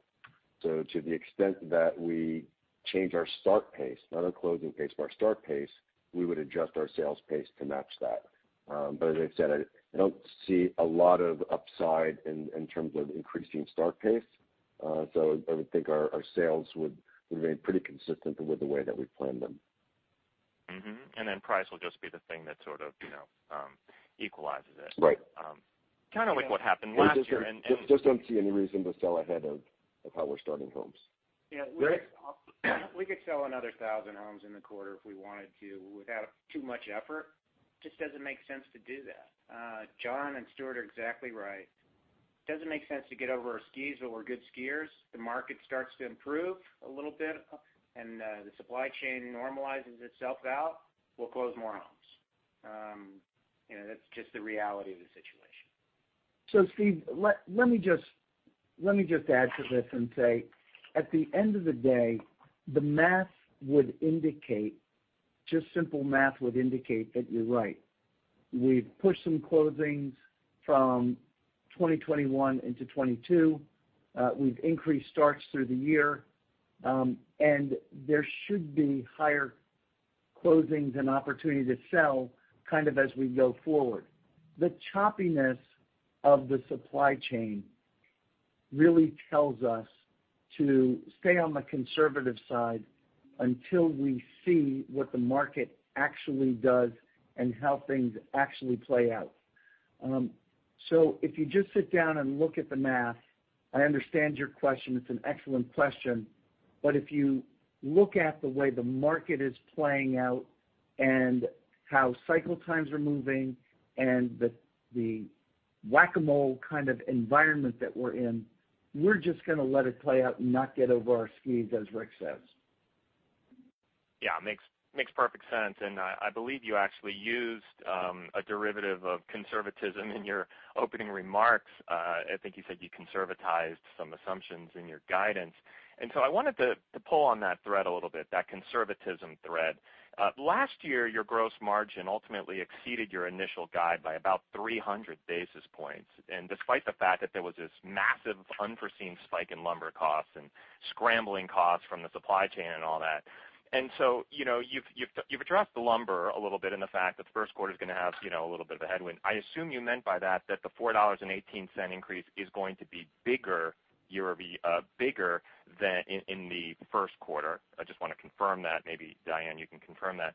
To the extent that we change our start pace, not our closing pace but our start pace, we would adjust our sales pace to match that. As I said, I don't see a lot of upside in terms of increasing start pace. I would think our sales would remain pretty consistent with the way that we've planned them. Price will just be the thing that sort of, you know, equalizes it. Right. Kind of like what happened last year and We just don't see any reason to sell ahead of how we're starting homes. Yeah. Rick? We could sell another 1,000 homes in the quarter if we wanted to without too much effort. Just doesn't make sense to do that. Jon and Stuart are exactly right. Doesn't make sense to get over our skis when we're good skiers. The market starts to improve a little bit, and the supply chain normalizes itself out, we'll close more homes. You know, that's just the reality of the situation. Stephen, let me just add to this and say, at the end of the day, the math would indicate, just simple math would indicate that you're right. We've pushed some closings from 2021 into 2022. We've increased starts through the year. There should be higher closings and opportunity to sell kind of as we go forward. The choppiness of the supply chain really tells us to stay on the conservative side until we see what the market actually does and how things actually play out. If you just sit down and look at the math, I understand your question, it's an excellent question, but if you look at the way the market is playing out and how cycle times are moving and the Whac-A-Mole kind of environment that we're in, we're just gonna let it play out and not get over our skis, as Rick says. Yeah, makes perfect sense. I believe you actually used a derivative of conservatism in your opening remarks. I think you said you conservatized some assumptions in your guidance. I wanted to pull on that thread a little bit, that conservatism thread. Last year, your gross margin ultimately exceeded your initial guide by about 300 basis points, and despite the fact that there was this massive unforeseen spike in lumber costs and scrambling costs from the supply chain and all that. You know, you've addressed the lumber a little bit and the fact that the first quarter is gonna have you know, a little bit of a headwind. I assume you meant by that the $4.18 increase is going to be bigger year-over-year, bigger than in the first quarter. I just wanna confirm that. Maybe Diane, you can confirm that.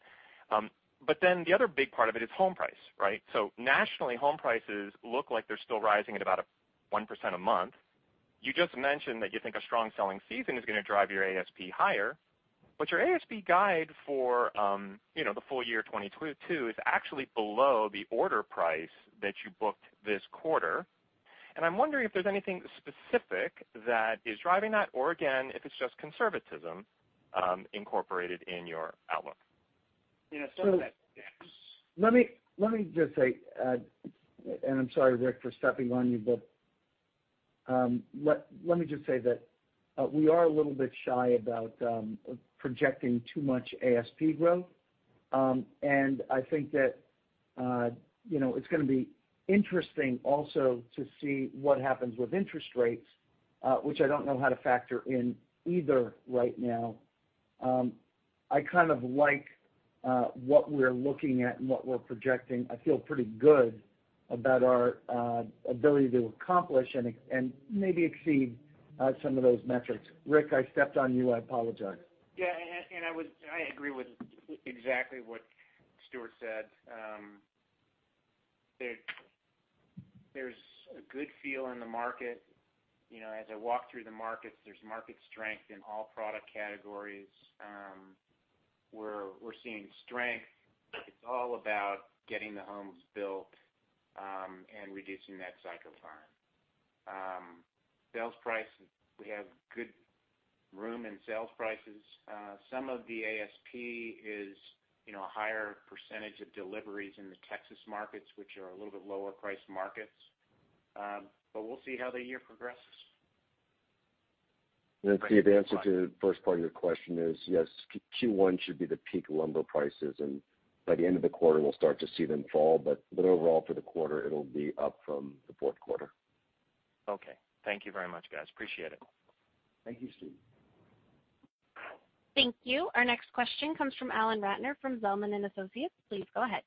Then the other big part of it is home price, right? Nationally, home prices look like they're still rising at about 1% a month. You just mentioned that you think a strong selling season is gonna drive your ASP higher, but your ASP guide for, you know, the full year 2022 is actually below the order price that you booked this quarter. I'm wondering if there's anything specific that is driving that, or again, if it's just conservatism incorporated in your outlook. Yeah, some of it. Yeah. Let me just say, and I'm sorry, Rick, for stepping on you, but let me just say that we are a little bit shy about projecting too much ASP growth. I think that, you know, it's gonna be interesting also to see what happens with interest rates, which I don't know how to factor in either right now. I kind of like what we're looking at and what we're projecting. I feel pretty good about our ability to accomplish and maybe exceed some of those metrics. Rick, I stepped on you. I apologize. I agree with exactly what Stuart said. There's a good feel in the market. You know, as I walk through the markets, there's market strength in all product categories. We're seeing strength. It's all about getting the homes built and reducing that cycle time. Sales price, we have good room in sales prices. Some of the ASP is, you know, a higher percentage of deliveries in the Texas markets, which are a little bit lower priced markets. We'll see how the year progresses. Steve, the answer to the first part of your question is, yes, Q1 should be the peak lumber prices, and by the end of the quarter, we'll start to see them fall. Overall for the quarter, it'll be up from the fourth quarter. Okay. Thank you very much, guys. Appreciate it. Thank you, Stephen. Thank you. Our next question comes from Alan Ratner from Zelman & Associates. Please go ahead.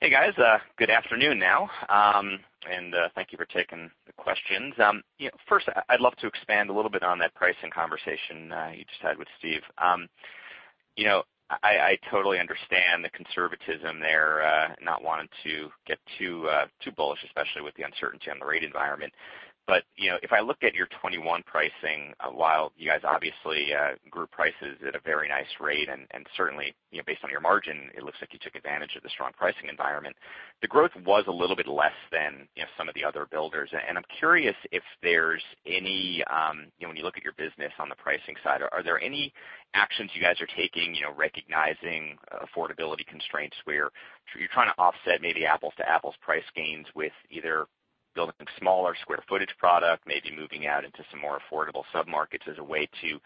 Hey, guys. Good afternoon now, and thank you for taking the questions. You know, first I'd love to expand a little bit on that pricing conversation you just had with Stephen. You know, I totally understand the conservatism there, not wanting to get too bullish, especially with the uncertainty on the rate environment. You know, if I look at your 2021 pricing, while you guys obviously grew prices at a very nice rate, and certainly, based on your margin, it looks like you took advantage of the strong pricing environment. The growth was a little bit less than some of the other builders. I'm curious if there's any, you know, when you look at your business on the pricing side, are there any actions you guys are taking, you know, recognizing affordability constraints where you're trying to offset maybe apples to apples price gains with either building smaller square footage product, maybe moving out into some more affordable submarkets as a way to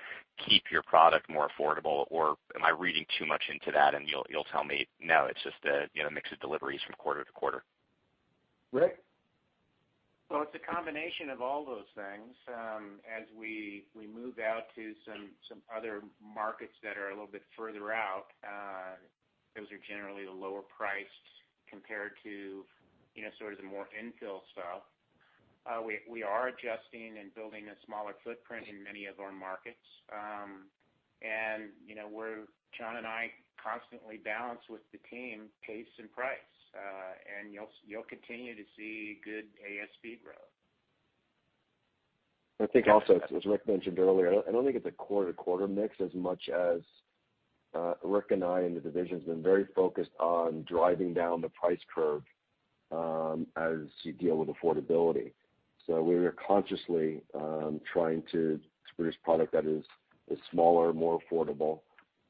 keep your product more affordable? Or am I reading too much into that, and you'll tell me, no, it's just a, you know, mix of deliveries from quarter to quarter. Rick? Well, it's a combination of all those things. As we move out to some other markets that are a little bit further out, those are generally the lower priced compared to, you know, sort of the more infill stuff. We are adjusting and building a smaller footprint in many of our markets. You know, Jon and I constantly balance with the team pace and price, and you'll continue to see good ASP growth. I think also, as Rick mentioned earlier, I don't think it's a quarter-to-quarter mix as much as Rick and I and the division has been very focused on driving down the price curve as you deal with affordability. We're consciously trying to produce product that is smaller, more affordable,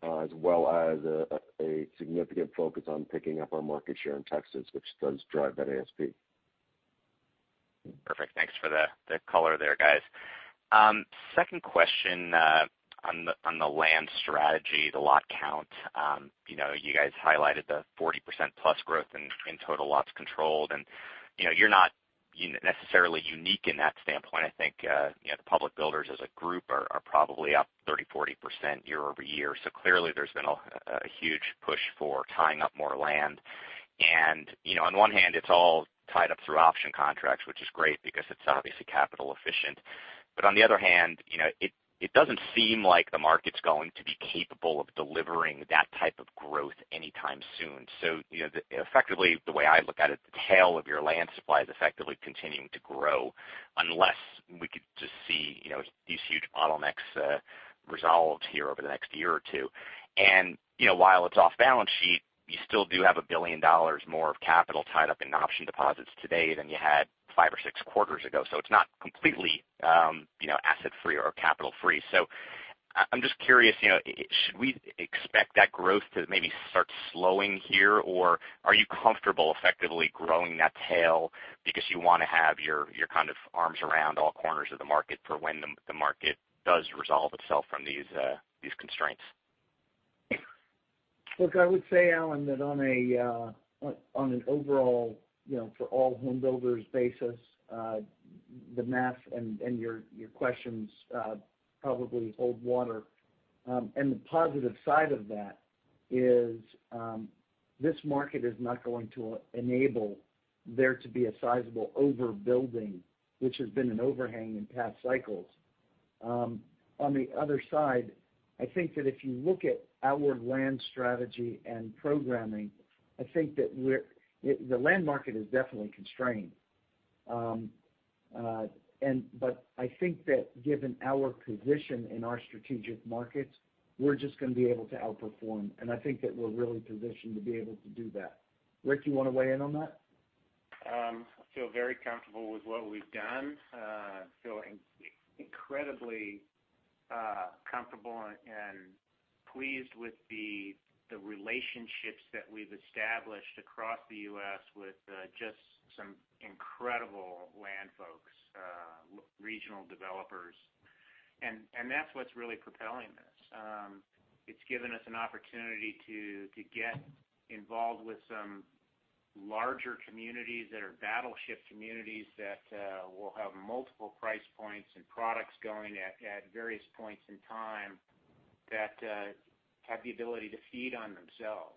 as well as a significant focus on picking up our market share in Texas, which does drive that ASP. Perfect. Thanks for the color there, guys. Second question on the land strategy, the lot count. You know, you guys highlighted the 40%+ growth in total lots controlled. You know, you're not necessarily unique in that standpoint. I think, you know, the public builders as a group are probably up 30%-40% year-over-year. Clearly there's been a huge push for tying up more land. You know, on one hand, it's all tied up through option contracts, which is great because it's obviously capital efficient. But on the other hand, you know, it doesn't seem like the market's going to be capable of delivering that type of growth anytime soon. You know, effectively, the way I look at it, the tail of your land supply is effectively continuing to grow unless we could just see, you know, these huge bottlenecks resolved here over the next year or two. You know, while it's off-balance-sheet, you still do have $1 billion more of capital tied up in option deposits today than you had five or six quarters ago. It's not completely, you know, asset free or capital free. I'm just curious, you know, should we expect that growth to maybe start slowing here? Or are you comfortable effectively growing that tail because you wanna have your kind of arms around all corners of the market for when the market does resolve itself from these constraints? Look, I would say, Alan, that on an overall, you know, for all home builders basis, the math and your questions probably hold water. The positive side of that is this market is not going to enable there to be a sizable overbuilding, which has been an overhang in past cycles. On the other side, I think that if you look at our land strategy and programming, I think that the land market is definitely constrained. I think that given our position in our strategic markets, we're just gonna be able to outperform, and I think that we're really positioned to be able to do that. Rick, you wanna weigh in on that? I feel very comfortable with what we've done. I feel incredibly comfortable and pleased with the relationships that we've established across the U.S. with just some incredible land folks, regional developers. That's what's really propelling this. It's given us an opportunity to get involved with some larger communities that are battleship communities that will have multiple price points and products going at various points in time that have the ability to feed on themselves.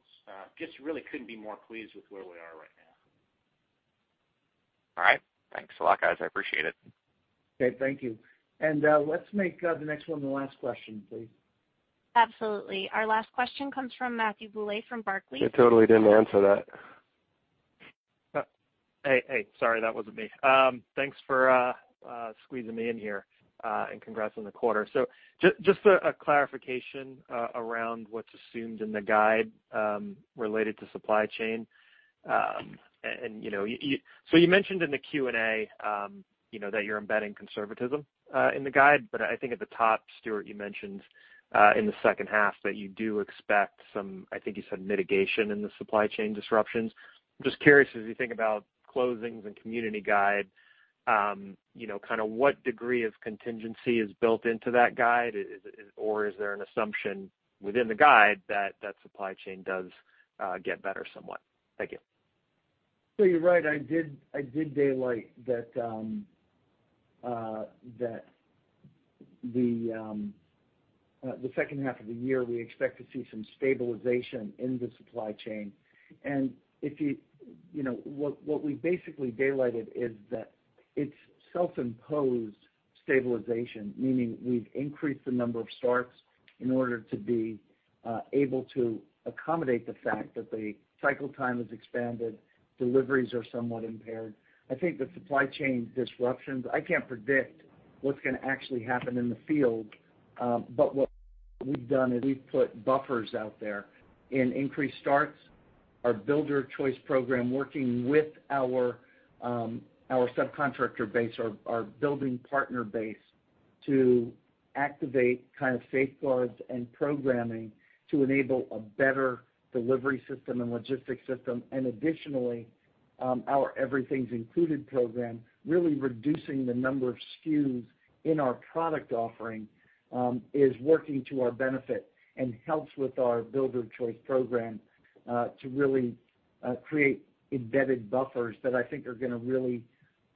Just really couldn't be more pleased with where we are right now. All right. Thanks a lot, guys. I appreciate it. Okay, thank you. Let's make the next one the last question, please. Absolutely. Our last question comes from Matthew Bouley from Barclays. I totally didn't answer that. Hey, hey, sorry, that wasn't me. Thanks for squeezing me in here and congrats on the quarter. Just a clarification around what's assumed in the guide related to supply chain. You know, so you mentioned in the Q&A you know that you're embedding conservatism in the guide, but I think at the top, Stuart, you mentioned in the second half that you do expect some, I think you said mitigation in the supply chain disruptions. Just curious, as you think about closings and community guide you know kind of what degree of contingency is built into that guide? Is it or is there an assumption within the guide that that supply chain does get better somewhat? Thank you. You're right. I did daylight that the second half of the year, we expect to see some stabilization in the supply chain. If you know what we basically daylighted is that it's self-imposed stabilization, meaning we've increased the number of starts in order to be able to accommodate the fact that the cycle time has expanded, deliveries are somewhat impaired. I think the supply chain disruptions, I can't predict what's gonna actually happen in the field, but what we've done is we've put buffers out there and increased starts, our Builder of Choice Program working with our subcontractor base, our building partner base to activate kind of safeguards and programming to enable a better delivery system and logistics system. Additionally, our Everything's Included program, really reducing the number of SKUs in our product offering, is working to our benefit and helps with our Builder of Choice Program to really create embedded buffers that I think are gonna really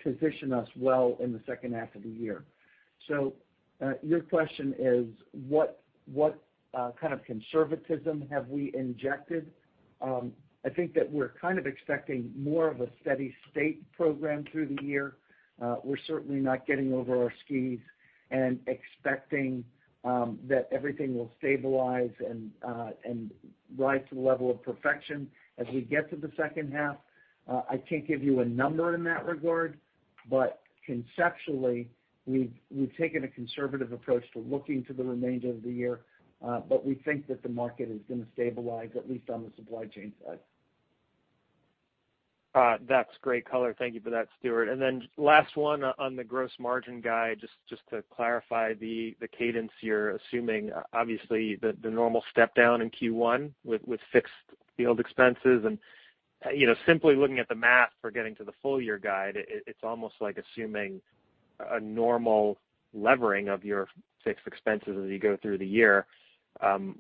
position us well in the second half of the year. Your question is what kind of conservatism have we injected? I think that we're kind of expecting more of a steady state program through the year. We're certainly not getting over our skis and expecting that everything will stabilize and rise to the level of perfection as we get to the second half. I can't give you a number in that regard, but conceptually, we've taken a conservative approach to looking to the remainder of the year, but we think that the market is gonna stabilize, at least on the supply chain side. That's great color. Thank you for that, Stuart. Last one on the gross margin guide, just to clarify the cadence you're assuming, obviously, the normal step down in Q1 with fixed field expenses. You know, simply looking at the math for getting to the full year guide, it's almost like assuming a normal levering of your fixed expenses as you go through the year,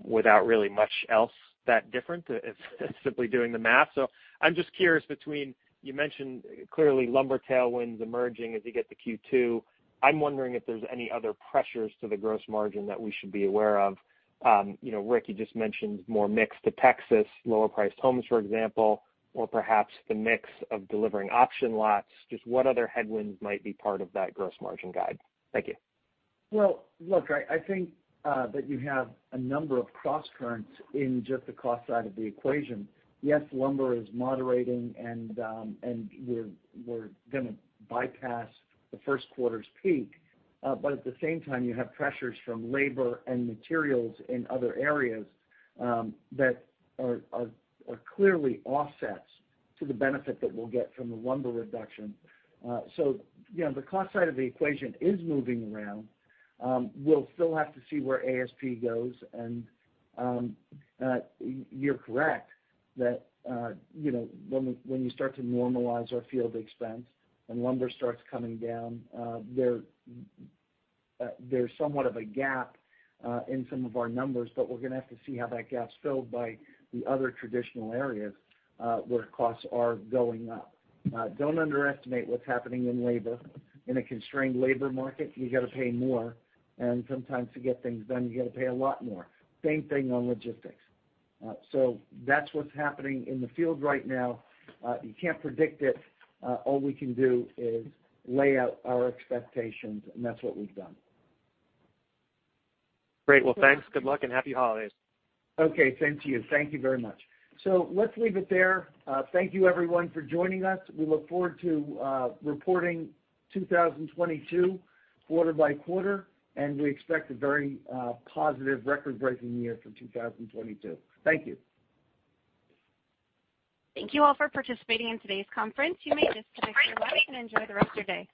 without really much else that different if simply doing the math. I'm just curious between, you mentioned clearly lumber tailwinds emerging as you get to Q2. I'm wondering if there's any other pressures to the gross margin that we should be aware of. You know, Rick, you just mentioned more mix to Texas, lower priced homes, for example, or perhaps the mix of delivering option lots. Just what other headwinds might be part of that gross margin guide? Thank you. Well, look, I think that you have a number of crosscurrents in just the cost side of the equation. Yes, lumber is moderating, and we're gonna bypass the first quarter's peak. But at the same time, you have pressures from labor and materials in other areas that are clearly offsets to the benefit that we'll get from the lumber reduction. So yeah, the cost side of the equation is moving around. We'll still have to see where ASP goes. You're correct that, you know, when you start to normalize our field expense and lumber starts coming down, there's somewhat of a gap in some of our numbers, but we're gonna have to see how that gap's filled by the other traditional areas where costs are going up. Don't underestimate what's happening in labor. In a constrained labor market, you gotta pay more, and sometimes to get things done, you gotta pay a lot more. Same thing on logistics. That's what's happening in the field right now. You can't predict it. All we can do is lay out our expectations, and that's what we've done. Great. Well, thanks. Good luck, and happy holidays. Okay. Same to you. Thank you very much. Let's leave it there. Thank you, everyone, for joining us. We look forward to reporting 2022 quarter by quarter, and we expect a very positive record-breaking year for 2022. Thank you. Thank you all for participating in today's conference. You may disconnect your line and enjoy the rest of your day.